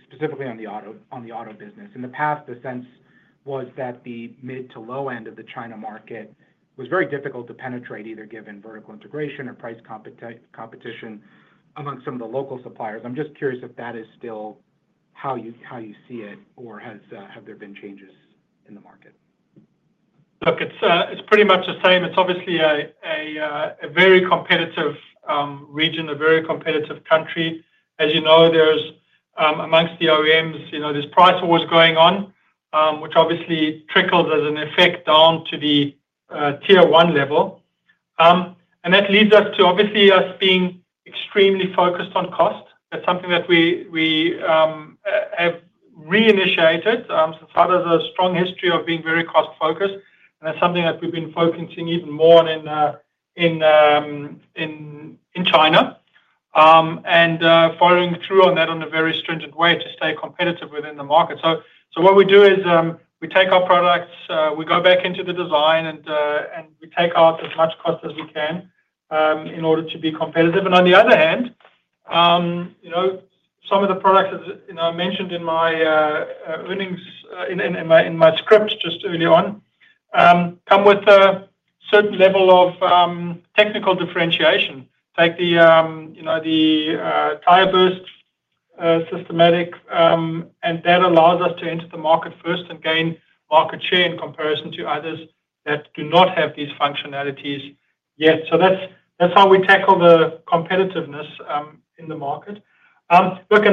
specifically on the Auto business? In the past, the sense was that the mid-to-low end of the China market was very difficult to penetrate either given vertical integration or price competition among some of the local suppliers. I'm curious if that is still how you see it or have there been changes in the market. Look, it's pretty much the same. It's obviously a very competitive region, a very competitive country. As you know, amongst the OEMs, you know there's price wars going on, which obviously trickles as an effect down to the Tier 1 level. That leads us to obviously us being extremely focused on cost. That's something that we have reinitiated. Sensata has a strong history of being very cost-focused. That's something that we've been focusing even more on in China, following through on that in a very stringent way to stay competitive within the market. What we do is we take our products, we go back into the design, and we take out as much cost as we can in order to be competitive. On the other hand, some of the products I mentioned in my script just early on come with a certain level of technical differentiation. Take the tire burst detection technology, and that allows us to enter the market first and gain market share in comparison to others that do not have these functionalities yet. That's how we tackle the competitiveness in the market. Look,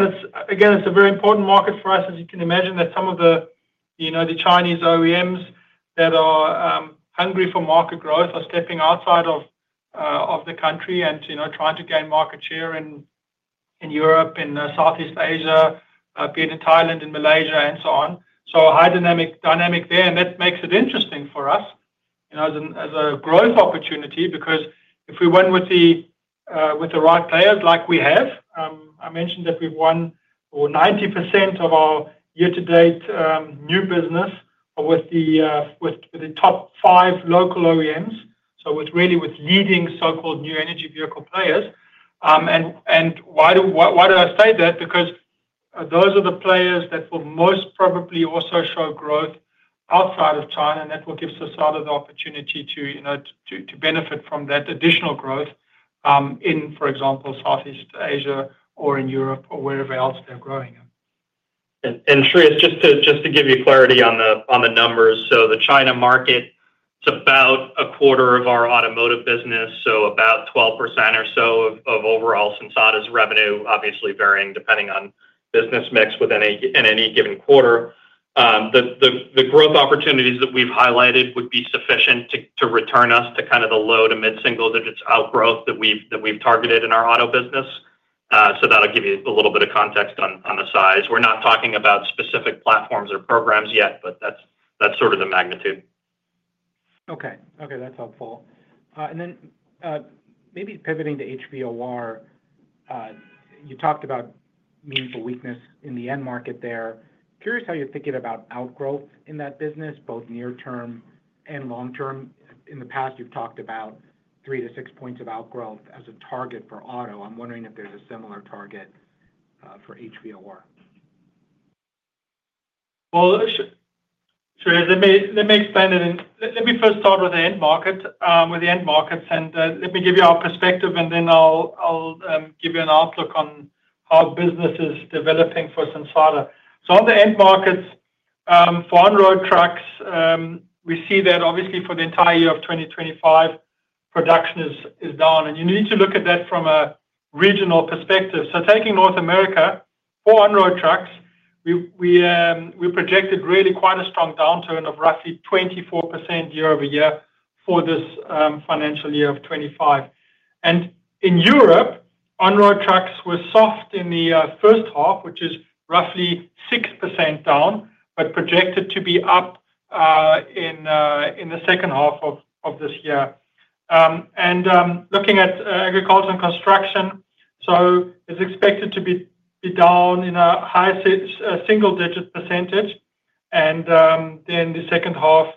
again, it's a very important market for us. As you can imagine, some of the Chinese OEMs that are hungry for market growth are stepping outside of the country and trying to gain market share in Europe, in Southeast Asia, be it in Thailand, in Malaysia, and so on. A high dynamic there, and that makes it interesting for us as a growth opportunity because if we win with the right players, like we have, I mentioned that we've won 90% of our year-to-date new business with the top five local OEMs, so really with leading so-called new energy vehicle players. Why do I say that? Because those are the players that will most probably also show growth outside of China, and that will give Sensata the opportunity to benefit from that additional growth in, for example, Southeast Asia or in Europe or wherever else they're growing. Shreyas, just to give you clarity on the numbers, the China market is about a quarter of our automotive business, so about 12% or so of overall Sensata's revenue, obviously varying depending on business mix in any given quarter. The growth opportunities that we've highlighted would be sufficient to return us to the low to mid-single-digits outgrowth that we've targeted in our Auto business. That'll give you a little bit of context on the size. We're not talking about specific platforms or programs yet, but that's sort of the magnitude. Okay, that's helpful. Maybe pivoting to HVOR, you talked about meaningful weakness in the end market there. Curious how you're thinking about outgrowth in that business, both near-term and long-term. In the past, you've talked about three to six points of outgrowth as a target for Auto. I'm wondering if there's a similar target for HVOR. Let me explain it. Let me first start with the end markets, and let me give you our perspective, then I'll give you an outlook on how business is developing for Sensata. On the end markets, for on-road trucks, we see that obviously for the entire year of 2025, production is down. You need to look at that from a regional perspective. Taking North America, for on-road trucks, we projected really quite a strong downturn of roughly 24% year-over-year for this financial year of 2025. In Europe, on-road trucks were soft in the first half, which is roughly 6% down, but projected to be up in the second half of this year. Looking at agriculture and construction, it's expected to be down in a high single-digit percentage, and then the second half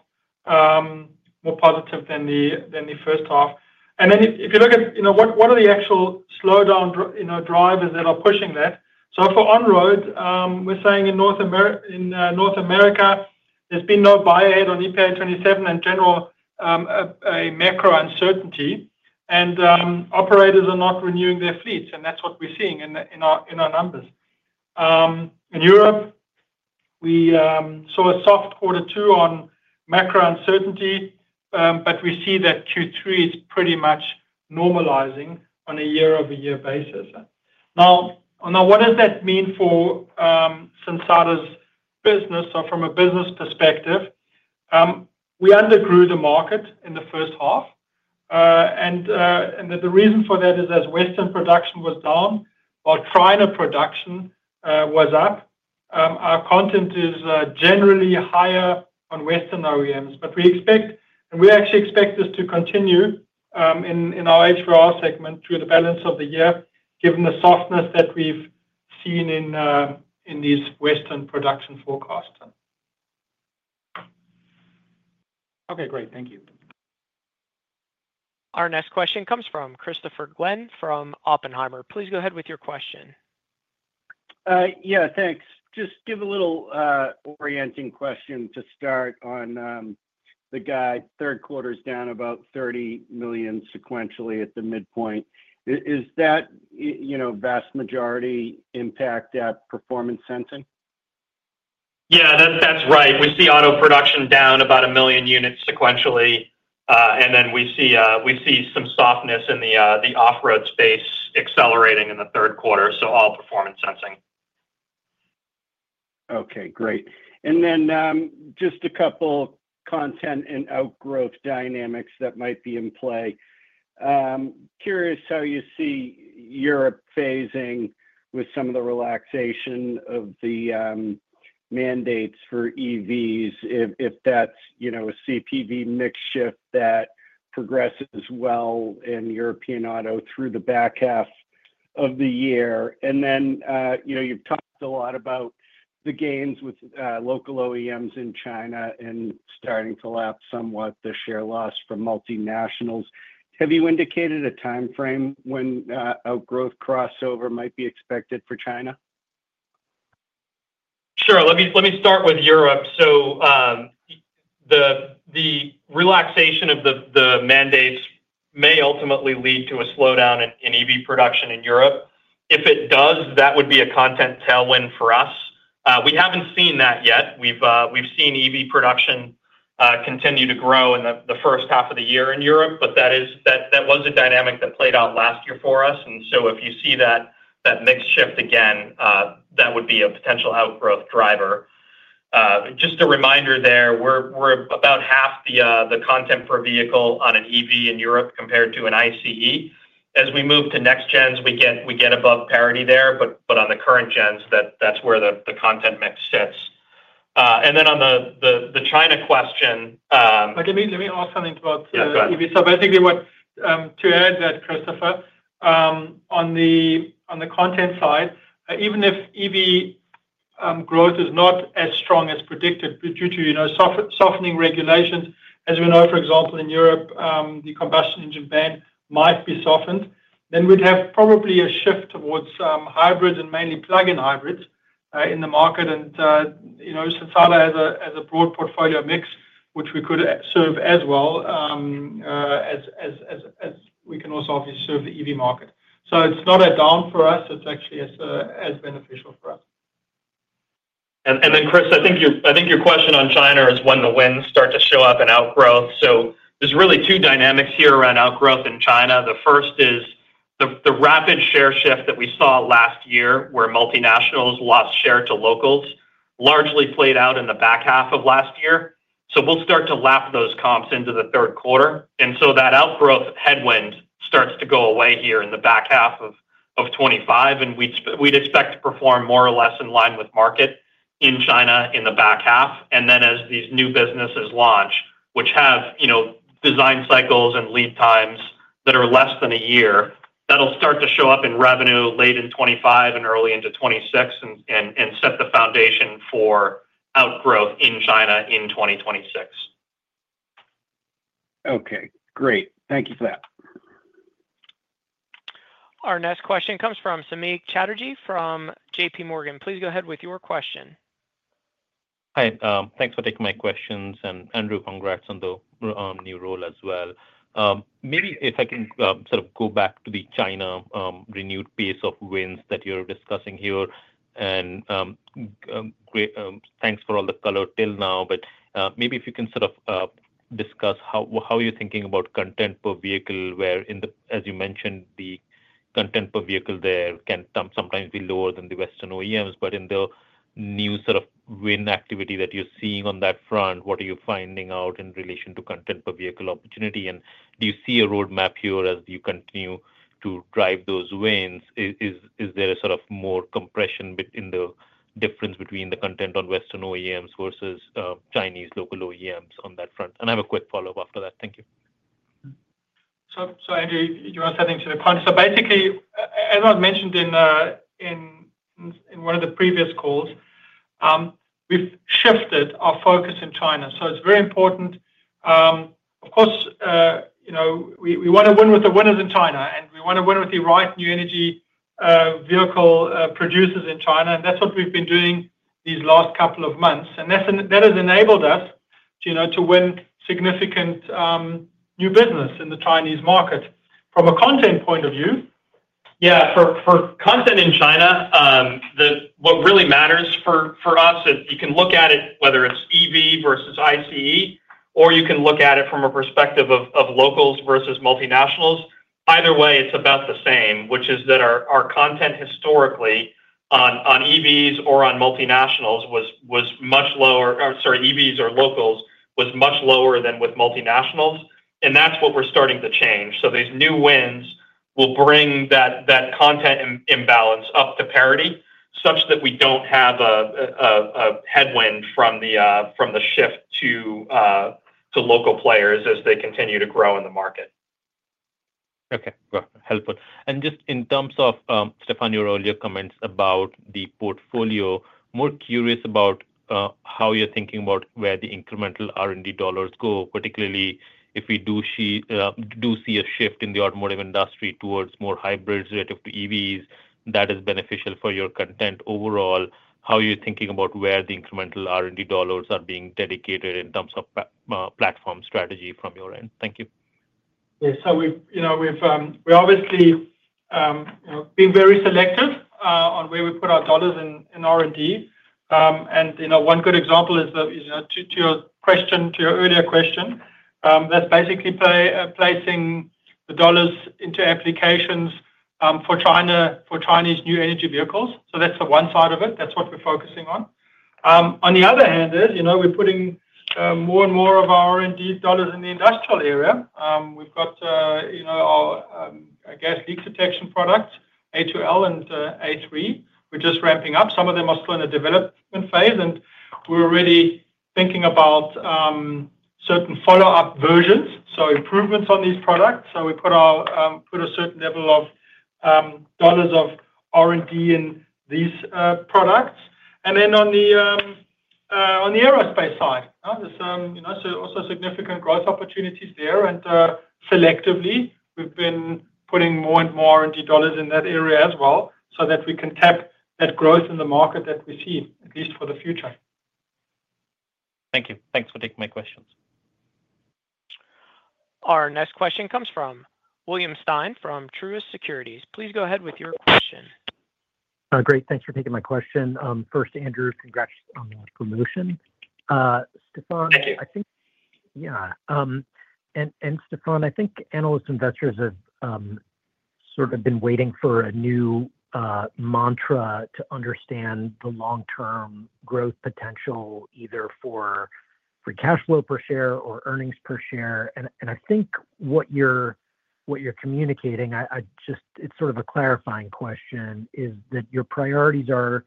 more positive than the first half. If you look at what are the actual slowdown drivers that are pushing that, for on-roads, we're saying in North America, there's been no buy-ahead on EPA 27 and general macro uncertainty. Operators are not renewing their fleets, and that's what we're seeing in our numbers. In Europe, we saw a soft quarter two on macro uncertainty, but we see that Q3 is pretty much normalizing on a year-over-year basis. What does that mean for Sensata's business? From a business perspective, we undergrew the market in the first half. The reason for that is as Western production was down while China production was up, our content is generally higher on Western OEMs. We expect, and we actually expect this to continue in our HVOR segment through the balance of the year, given the softness that we've seen in these Western production forecasts. Okay, great. Thank you. Our next question comes from Christopher Glynn from Oppenheimer. Please go ahead with your question. Yeah, thanks. Just give a little orienting question to start on the guide. Third quarter's down about $30 million sequentially at the midpoint. Is that, you know, vast majority impact at Performance Sensing? Yeah, that's right. We see auto production down about $1 million units sequentially, and we see some softness in the off-road space accelerating in the third quarter. All Performance Sensing. Okay, great. Just a couple of content and outgrowth dynamics that might be in play. Curious how you see Europe phasing with some of the relaxation of the mandates for EVs, if that's a CPV mix shift that progresses well in European auto through the back half of the year. You've talked a lot about the gains with local OEMs in China and starting to lap somewhat the share loss from multinationals. Have you indicated a timeframe when outgrowth crossover might be expected for China? Sure. Let me start with Europe. The relaxation of the mandates may ultimately lead to a slowdown in EV production in Europe. If it does, that would be a content tailwind for us. We haven't seen that yet. We've seen EV production continue to grow in the first half of the year in Europe, that was a dynamic that played out last year for us. If you see that mix shift again, that would be a potential outgrowth driver. Just a reminder there, we're about half the content per vehicle on an EV in Europe compared to an ICE. As we move to next gens, we get above parity there. On the current gens, that's where the content mix sits. On the China question. Let me ask something about EV. Yeah, go ahead. To add that, Christopher, on the content side, even if EV growth is not as strong as predicted due to softening regulations, as we know, for example, in Europe, the combustion engine ban might be softened, we'd probably have a shift towards hybrids and mainly plug-in hybrids in the market. Sensata has a broad portfolio mix, which we could serve as well as we can also obviously serve the EV market. It's not a down for us. It's actually as beneficial for us. Chris, I think your question on China is when the wins start to show up in outgrowth. There are really two dynamics here around outgrowth in China. The first is the rapid share shift that we saw last year where multinationals lost share to locals, which largely played out in the back half of last year. We will start to lap those comps into the third quarter, and that outgrowth headwind starts to go away here in the back half of 2025. We would expect to perform more or less in line with the market in China in the back half. As these new businesses launch, which have design cycles and lead times that are less than a year, that will start to show up in revenue late in 2025 and early into 2026 and set the foundation for outgrowth in China in 2026. Okay, great. Thank you for that. Our next question comes from Samik Chatterjee from JPMorgan. Please go ahead with your question. Hi. Thanks for taking my questions. Andrew, congrats on the new role as well. Maybe if I can sort of go back to the China renewed pace of wins that you're discussing here, and thanks for all the color till now. Maybe if you can sort of discuss how you're thinking about content per vehicle, where, as you mentioned, the content per vehicle there can sometimes be lower than the Western OEMs. In the new sort of win activity that you're seeing on that front, what are you finding out in relation to content per vehicle opportunity? Do you see a roadmap here as you continue to drive those wins? Is there more compression in the difference between the content on Western OEMs versus Chinese local OEMs on that front? I have a quick follow-up after that. Thank you. Andrew, you're answering the question. As I mentioned in one of the previous calls, we've shifted our focus in China. It's very important. Of course, you know we want to win with the winners in China, and we want to win with the right new energy vehicle producers in China. That's what we've been doing these last couple of months, and that has enabled us to win significant new business in the Chinese market. From a content point of view? For content in China, what really matters for us is you can look at it whether it's EV versus ICE, or you can look at it from a perspective of locals versus multinationals. Either way, it's about the same, which is that our content historically on EVs or on multinationals was much lower, or sorry, EVs or locals was much lower than with multinationals. That's what we're starting to change. These new wins will bring that content imbalance up to parity such that we don't have a headwind from the shift to local players as they continue to grow in the market. Okay, good. Helpful. In terms of, Stephan, your earlier comments about the portfolio, more curious about how you're thinking about where the incremental R&D dollars go, particularly if we do see a shift in the Automotive industry towards more hybrids relative to EVs that is beneficial for your content overall. How are you thinking about where the incremental R&D dollars are being dedicated in terms of platform strategy from your end? Thank you. Yeah, so we've obviously been very selective on where we put our dollars in R&D. One good example is, to your earlier question, that's basically placing the dollars into applications for Chinese new energy vehicles. That's the one side of it. That's what we're focusing on. On the other hand, we're putting more and more of our R&D dollars in the industrial area. We've got our gas leak detection products, A2L and A3. We're just ramping up. Some of them are still in a development phase, and we're already thinking about certain follow-up versions, so improvements on these products. We put a certain level of dollars of R&D in these products. On the Aerospace side, there's also significant growth opportunities there. Selectively, we've been putting more and more R&D dollars in that area as well so that we can tap that growth in the market that we see, at least for the future. Thank you. Thanks for taking my questions. Our next question comes from William Stein from Truist Securities. Please go ahead with your question. Great. Thanks for taking my question. First, Andrew, congrats on the promotion. Thank you. Yeah. Stephan, I think analysts and investors have sort of been waiting for a new mantra to understand the long-term growth potential either for cash flow per share or earnings per share. I think what you're communicating, it's sort of a clarifying question, is that your priorities are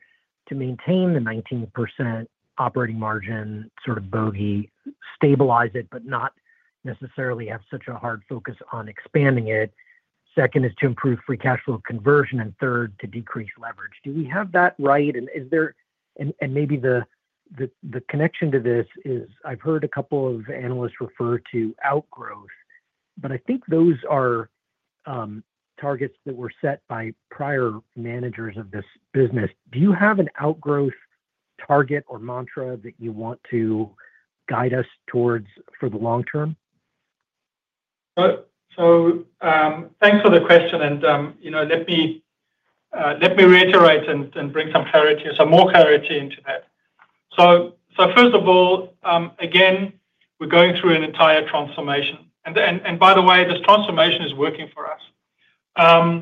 to maintain the 19% operating margin sort of bogey, stabilize it, but not necessarily have such a hard focus on expanding it. The second is to improve free cash flow conversion, and third, to decrease leverage. Do we have that right? Maybe the connection to this is I've heard a couple of analysts refer to outgrowth, but I think those are targets that were set by prior managers of this business. Do you have an outgrowth target or mantra that you want to guide us towards for the long-term? Thank you for the question. Let me reiterate and bring some more clarity into that. First of all, again, we're going through an entire transformation. By the way, this transformation is working for us.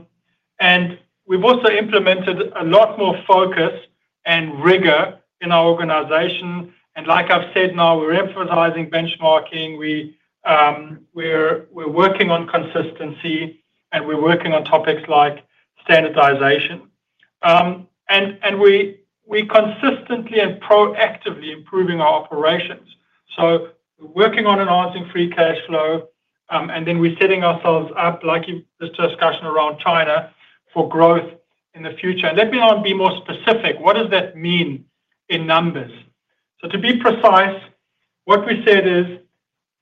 We've also implemented a lot more focus and rigor in our organization. Like I've said now, we're emphasizing benchmarking. We're working on consistency, and we're working on topics like standardization. We're consistently and proactively improving our operations. We're working on enhancing free cash flow, and then we're setting ourselves up, like this discussion around China, for growth in the future. Let me now be more specific. What does that mean in numbers? To be precise, what we said is,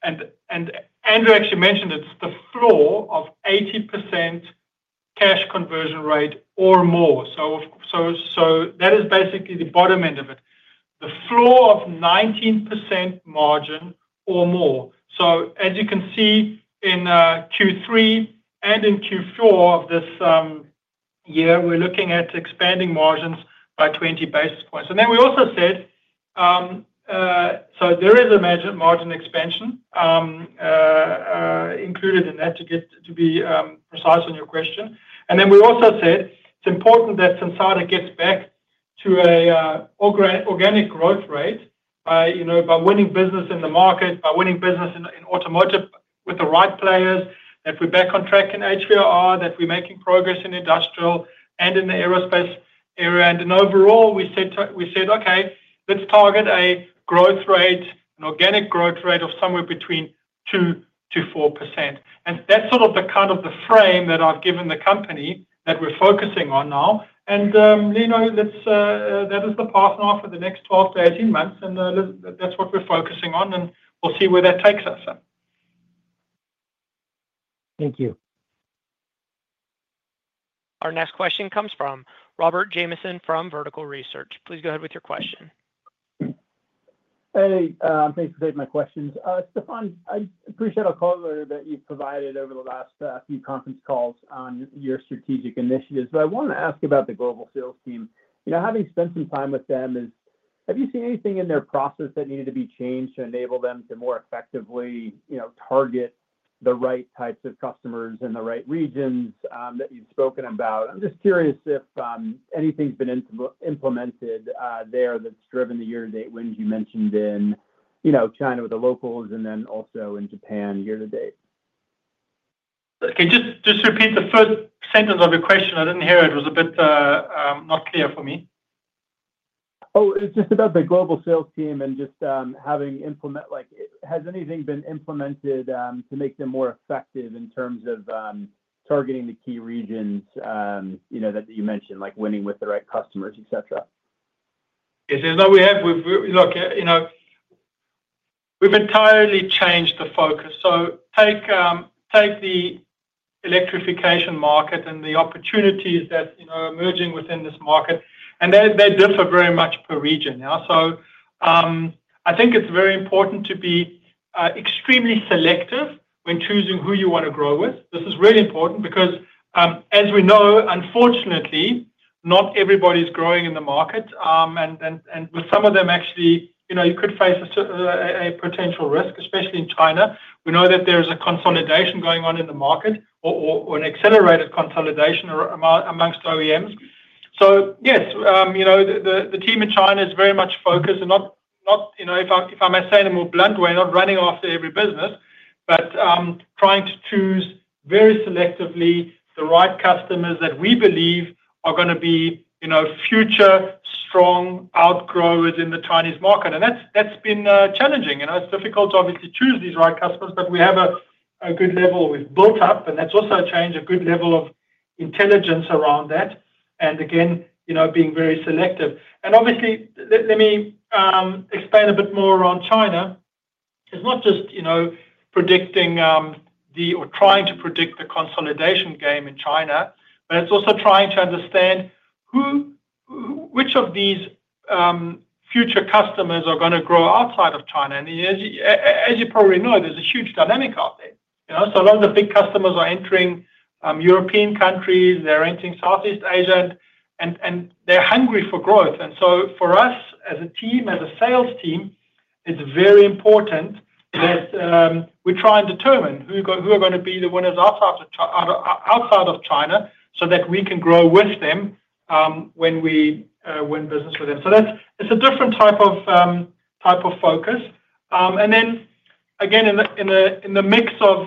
and Andrew actually mentioned it, it's the floor of 80% cash conversion rate or more. That is basically the bottom end of it. The floor of 19% margin or more. As you can see in Q3 and in Q4 of this year, we're looking at expanding margins by 20 basis points. We also said there is a margin expansion included in that, to be precise on your question. We also said it's important that Sensata gets back to an organic growth rate by winning business in the market, by winning business in Automotive with the right players, that we're back on track in HVOR, that we're making progress in Industrial and in the Aerospace area. Overall, we said, okay, let's target a growth rate, an organic growth rate of somewhere between 2%-4%. That's sort of the frame that I've given the company that we're focusing on now. That is the path now for the next 12-18 months. That's what we're focusing on, and we'll see where that takes us. Thank you. Our next question comes from Robert Jamieson from Vertical Research. Please go ahead with your question. Hey, thanks for taking my questions. Stephan, I appreciate all the collaboration that you've provided over the last few conference calls on your strategic initiatives. I want to ask about the global sales team. You know, having spent some time with them, have you seen anything in their process that needed to be changed to enable them to more effectively target the right types of customers in the right regions that you've spoken about? I'm just curious if anything's been implemented there that's driven the year-to-date wins you mentioned in China with the locals and then also in Japan year-to-date. Can you just repeat the first sentence of your question? I didn't hear it. It was a bit not clear for me. Oh, it's just about the global sales team and just having implemented, has anything been implemented to make them more effective in terms of targeting the key regions that you mentioned, like winning with the right customers, etc.? Yes, we have. Look, we've entirely changed the focus. Take the electrification market and the opportunities that are emerging within this market. They differ very much per region now. I think it's very important to be extremely selective when choosing who you want to grow with. This is really important because, as we know, unfortunately, not every is growing in the market, and with some of them actually, you know, you could face a potential risk, especially in China. We know that there's a consolidation going on in the market or an accelerated consolidation amongst OEMs. Yes, the team in China is very much focused and, if I may say in a more blunt way, not running after every business, but trying to choose very selectively the right customers that we believe are going to be future strong outgrowers in the Chinese market. That's been challenging. It's difficult to obviously choose these right customers, but we have a good level we've built up, and that's also changed a good level of intelligence around that. Again, being very selective. Obviously, let me expand a bit more on China. It's not just predicting or trying to predict the consolidation game in China, but it's also trying to understand which of these future customers are going to grow outside of China. As you probably know, there's a huge dynamic out there. A lot of the big customers are entering European countries, they're entering Southeast Asia, and they're hungry for growth. For us as a team, as a sales team, it's very important that we try and determine who are going to be the winners outside of China, so that we can grow with them when we win business with them. It's a different type of focus. In the mix of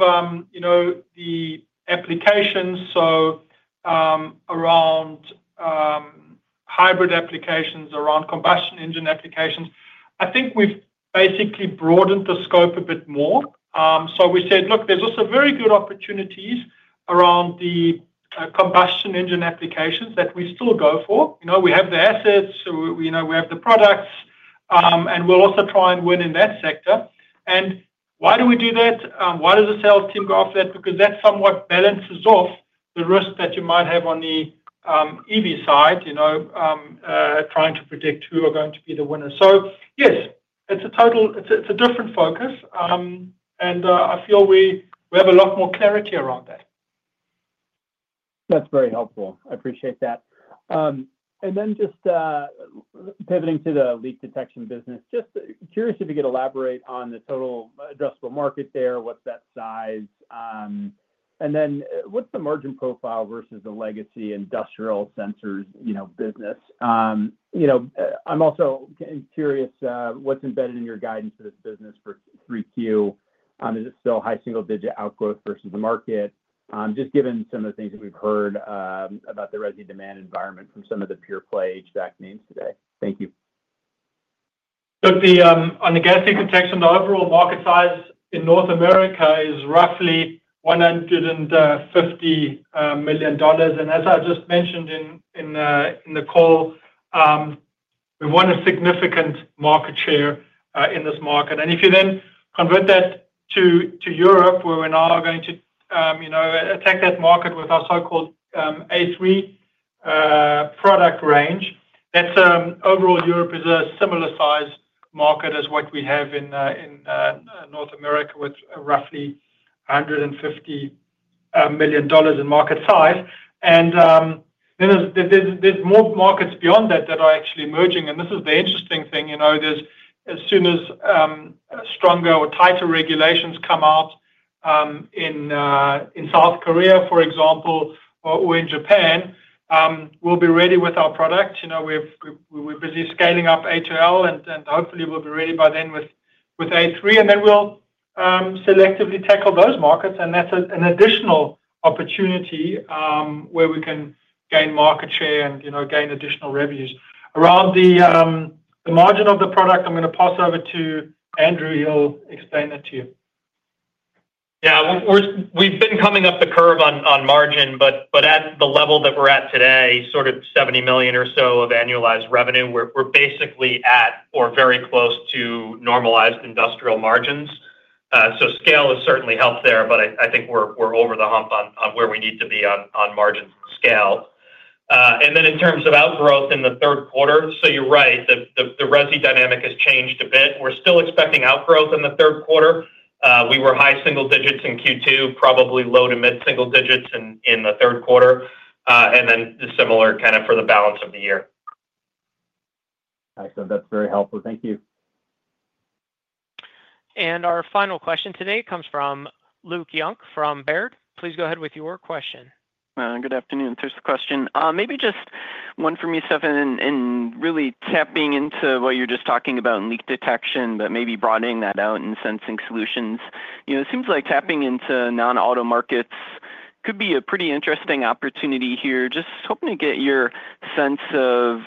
the applications, around hybrid applications, around combustion engine applications, I think we've basically broadened the scope a bit more. We said, "Look, there's also very good opportunities around the combustion engine applications that we still go for." We have the assets, we have the products, and we'll also try and win in that sector. Why do we do that? Why does the sales team go after that? Because that somewhat balances off the risk that you might have on the EV side, trying to predict who are going to be the winners. Yes, it's a total, it's a different focus. I feel we have a lot more clarity around that. That's very helpful. I appreciate that. Pivoting to the leak detection business, just curious if you could elaborate on the total addressable market there. What's that size? What's the margin profile versus the legacy industrial sensors business? I'm also curious, what's embedded in your guidance for this business for 3Q? Is it still high single-digit outgrowth versus the market, just given some of the things that we've heard about the rescue demand environment from some of the pure-play HVAC names today. Thank you. On the gas leak detection, the overall market size in North America is roughly $150 million. As I just mentioned in the call, we want a significant market share in this market. If you then convert that to Europe, where we're now going to attack that market with our so-called A3 product range, overall Europe is a similar size market as what we have in North America with roughly $150 million in market size. There are more markets beyond that that are actually emerging. This is the interesting thing. As soon as stronger or tighter regulations come out in South Korea, for example, or in Japan, we'll be ready with our product. We're busy scaling up A to L, and hopefully, we'll be ready by then with A3. Then we'll selectively tackle those markets. That's an additional opportunity where we can gain market share and gain additional revenues. Around the margin of the product, I'm going to pass over to Andrew. He'll explain that to you. Yeah. We've been coming up the curve on margin, but at the level that we're at today, sort of $70 million or so of annualized revenue, we're basically at or very close to normalized industrial margins. Scale has certainly helped there, but I think we're over the hump on where we need to be on margins and scale. In terms of outgrowth in the third quarter, you're right. The rescue dynamic has changed a bit. We're still expecting outgrowth in the third quarter. We were high single digits in Q2, probably low to mid-single digits in the third quarter, and then similar kind of for the balance of the year. Excellent. That's very helpful. Thank you. Our final question today comes from Luke Junk from Baird. Please go ahead with your question. Good afternoon. Thanks for the question. Maybe just one from you, Stephanie, and really tapping into what you were just talking about in leak detection, but maybe broadening that out in Sensing Solutions. It seems like tapping into non-auto markets could be a pretty interesting opportunity here. Just hoping to get your sense of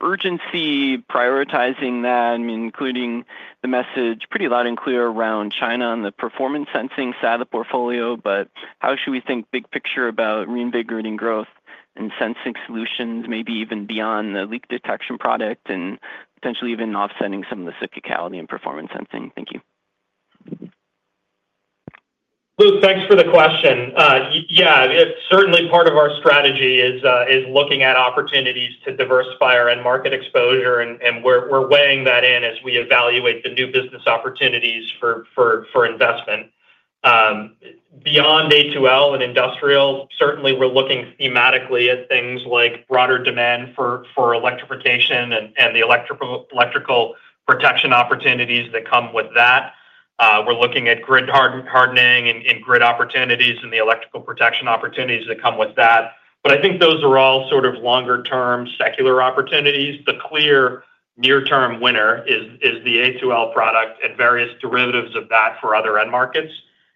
urgency, prioritizing that, including the message pretty loud and clear around China and the Performance Sensing side of the portfolio. How should we think big picture about reinvigorating growth in Sensing Solutions, maybe even beyond the leak detection product, and potentially even offsetting some of the cyclicality in Performance Sensing? Thank you. Luke, thanks for the question. Yeah. It's certainly part of our strategy, looking at opportunities to diversify our end market exposure, and we're weighing that in as we evaluate the new business opportunities for investment. Beyond A to L and Industrial, certainly, we're looking thematically at things like broader demand for electrification and the electrical protection opportunities that come with that. We're looking at grid hardening and grid opportunities and the electrical protection opportunities that come with that. I think those are all sort of longer-term secular opportunities. The clear near-term winner is the A to L product and various derivatives of that for other end markets.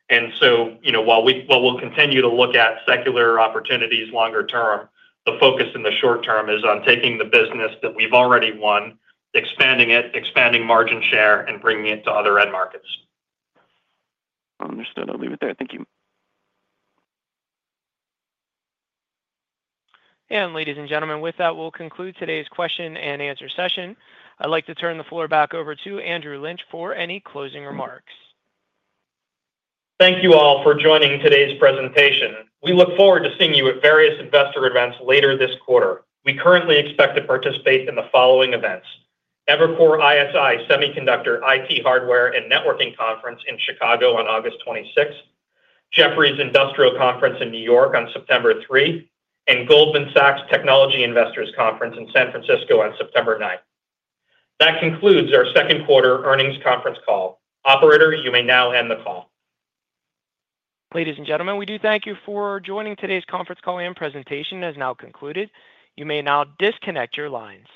While we'll continue to look at secular opportunities longer-term, the focus in the short-term is on taking the business that we've already won, expanding it, expanding margin share, and bringing it to other end markets. Understood. I'll leave it there. Thank you. Ladies and gentlemen, with that, we'll conclude today's question-and-answer session. I'd like to turn the floor back over to Andrew Lynch for any closing remarks. Thank you all for joining today's presentation. We look forward to seeing you at various investor events later this quarter. We currently expect to participate in the following events: Evercore ISI Semiconductor IT Hardware and Networking Conference in Chicago on August 26, Jefferies Industrial Conference in New York on September 3, and Goldman Sachs Technology Investors Conference in San Francisco on September 9. That concludes our second quarter earnings conference call. Operator, you may now end the call. Ladies and gentlemen, we do thank you for joining today's conference call and presentation. It is now concluded. You may now disconnect your lines.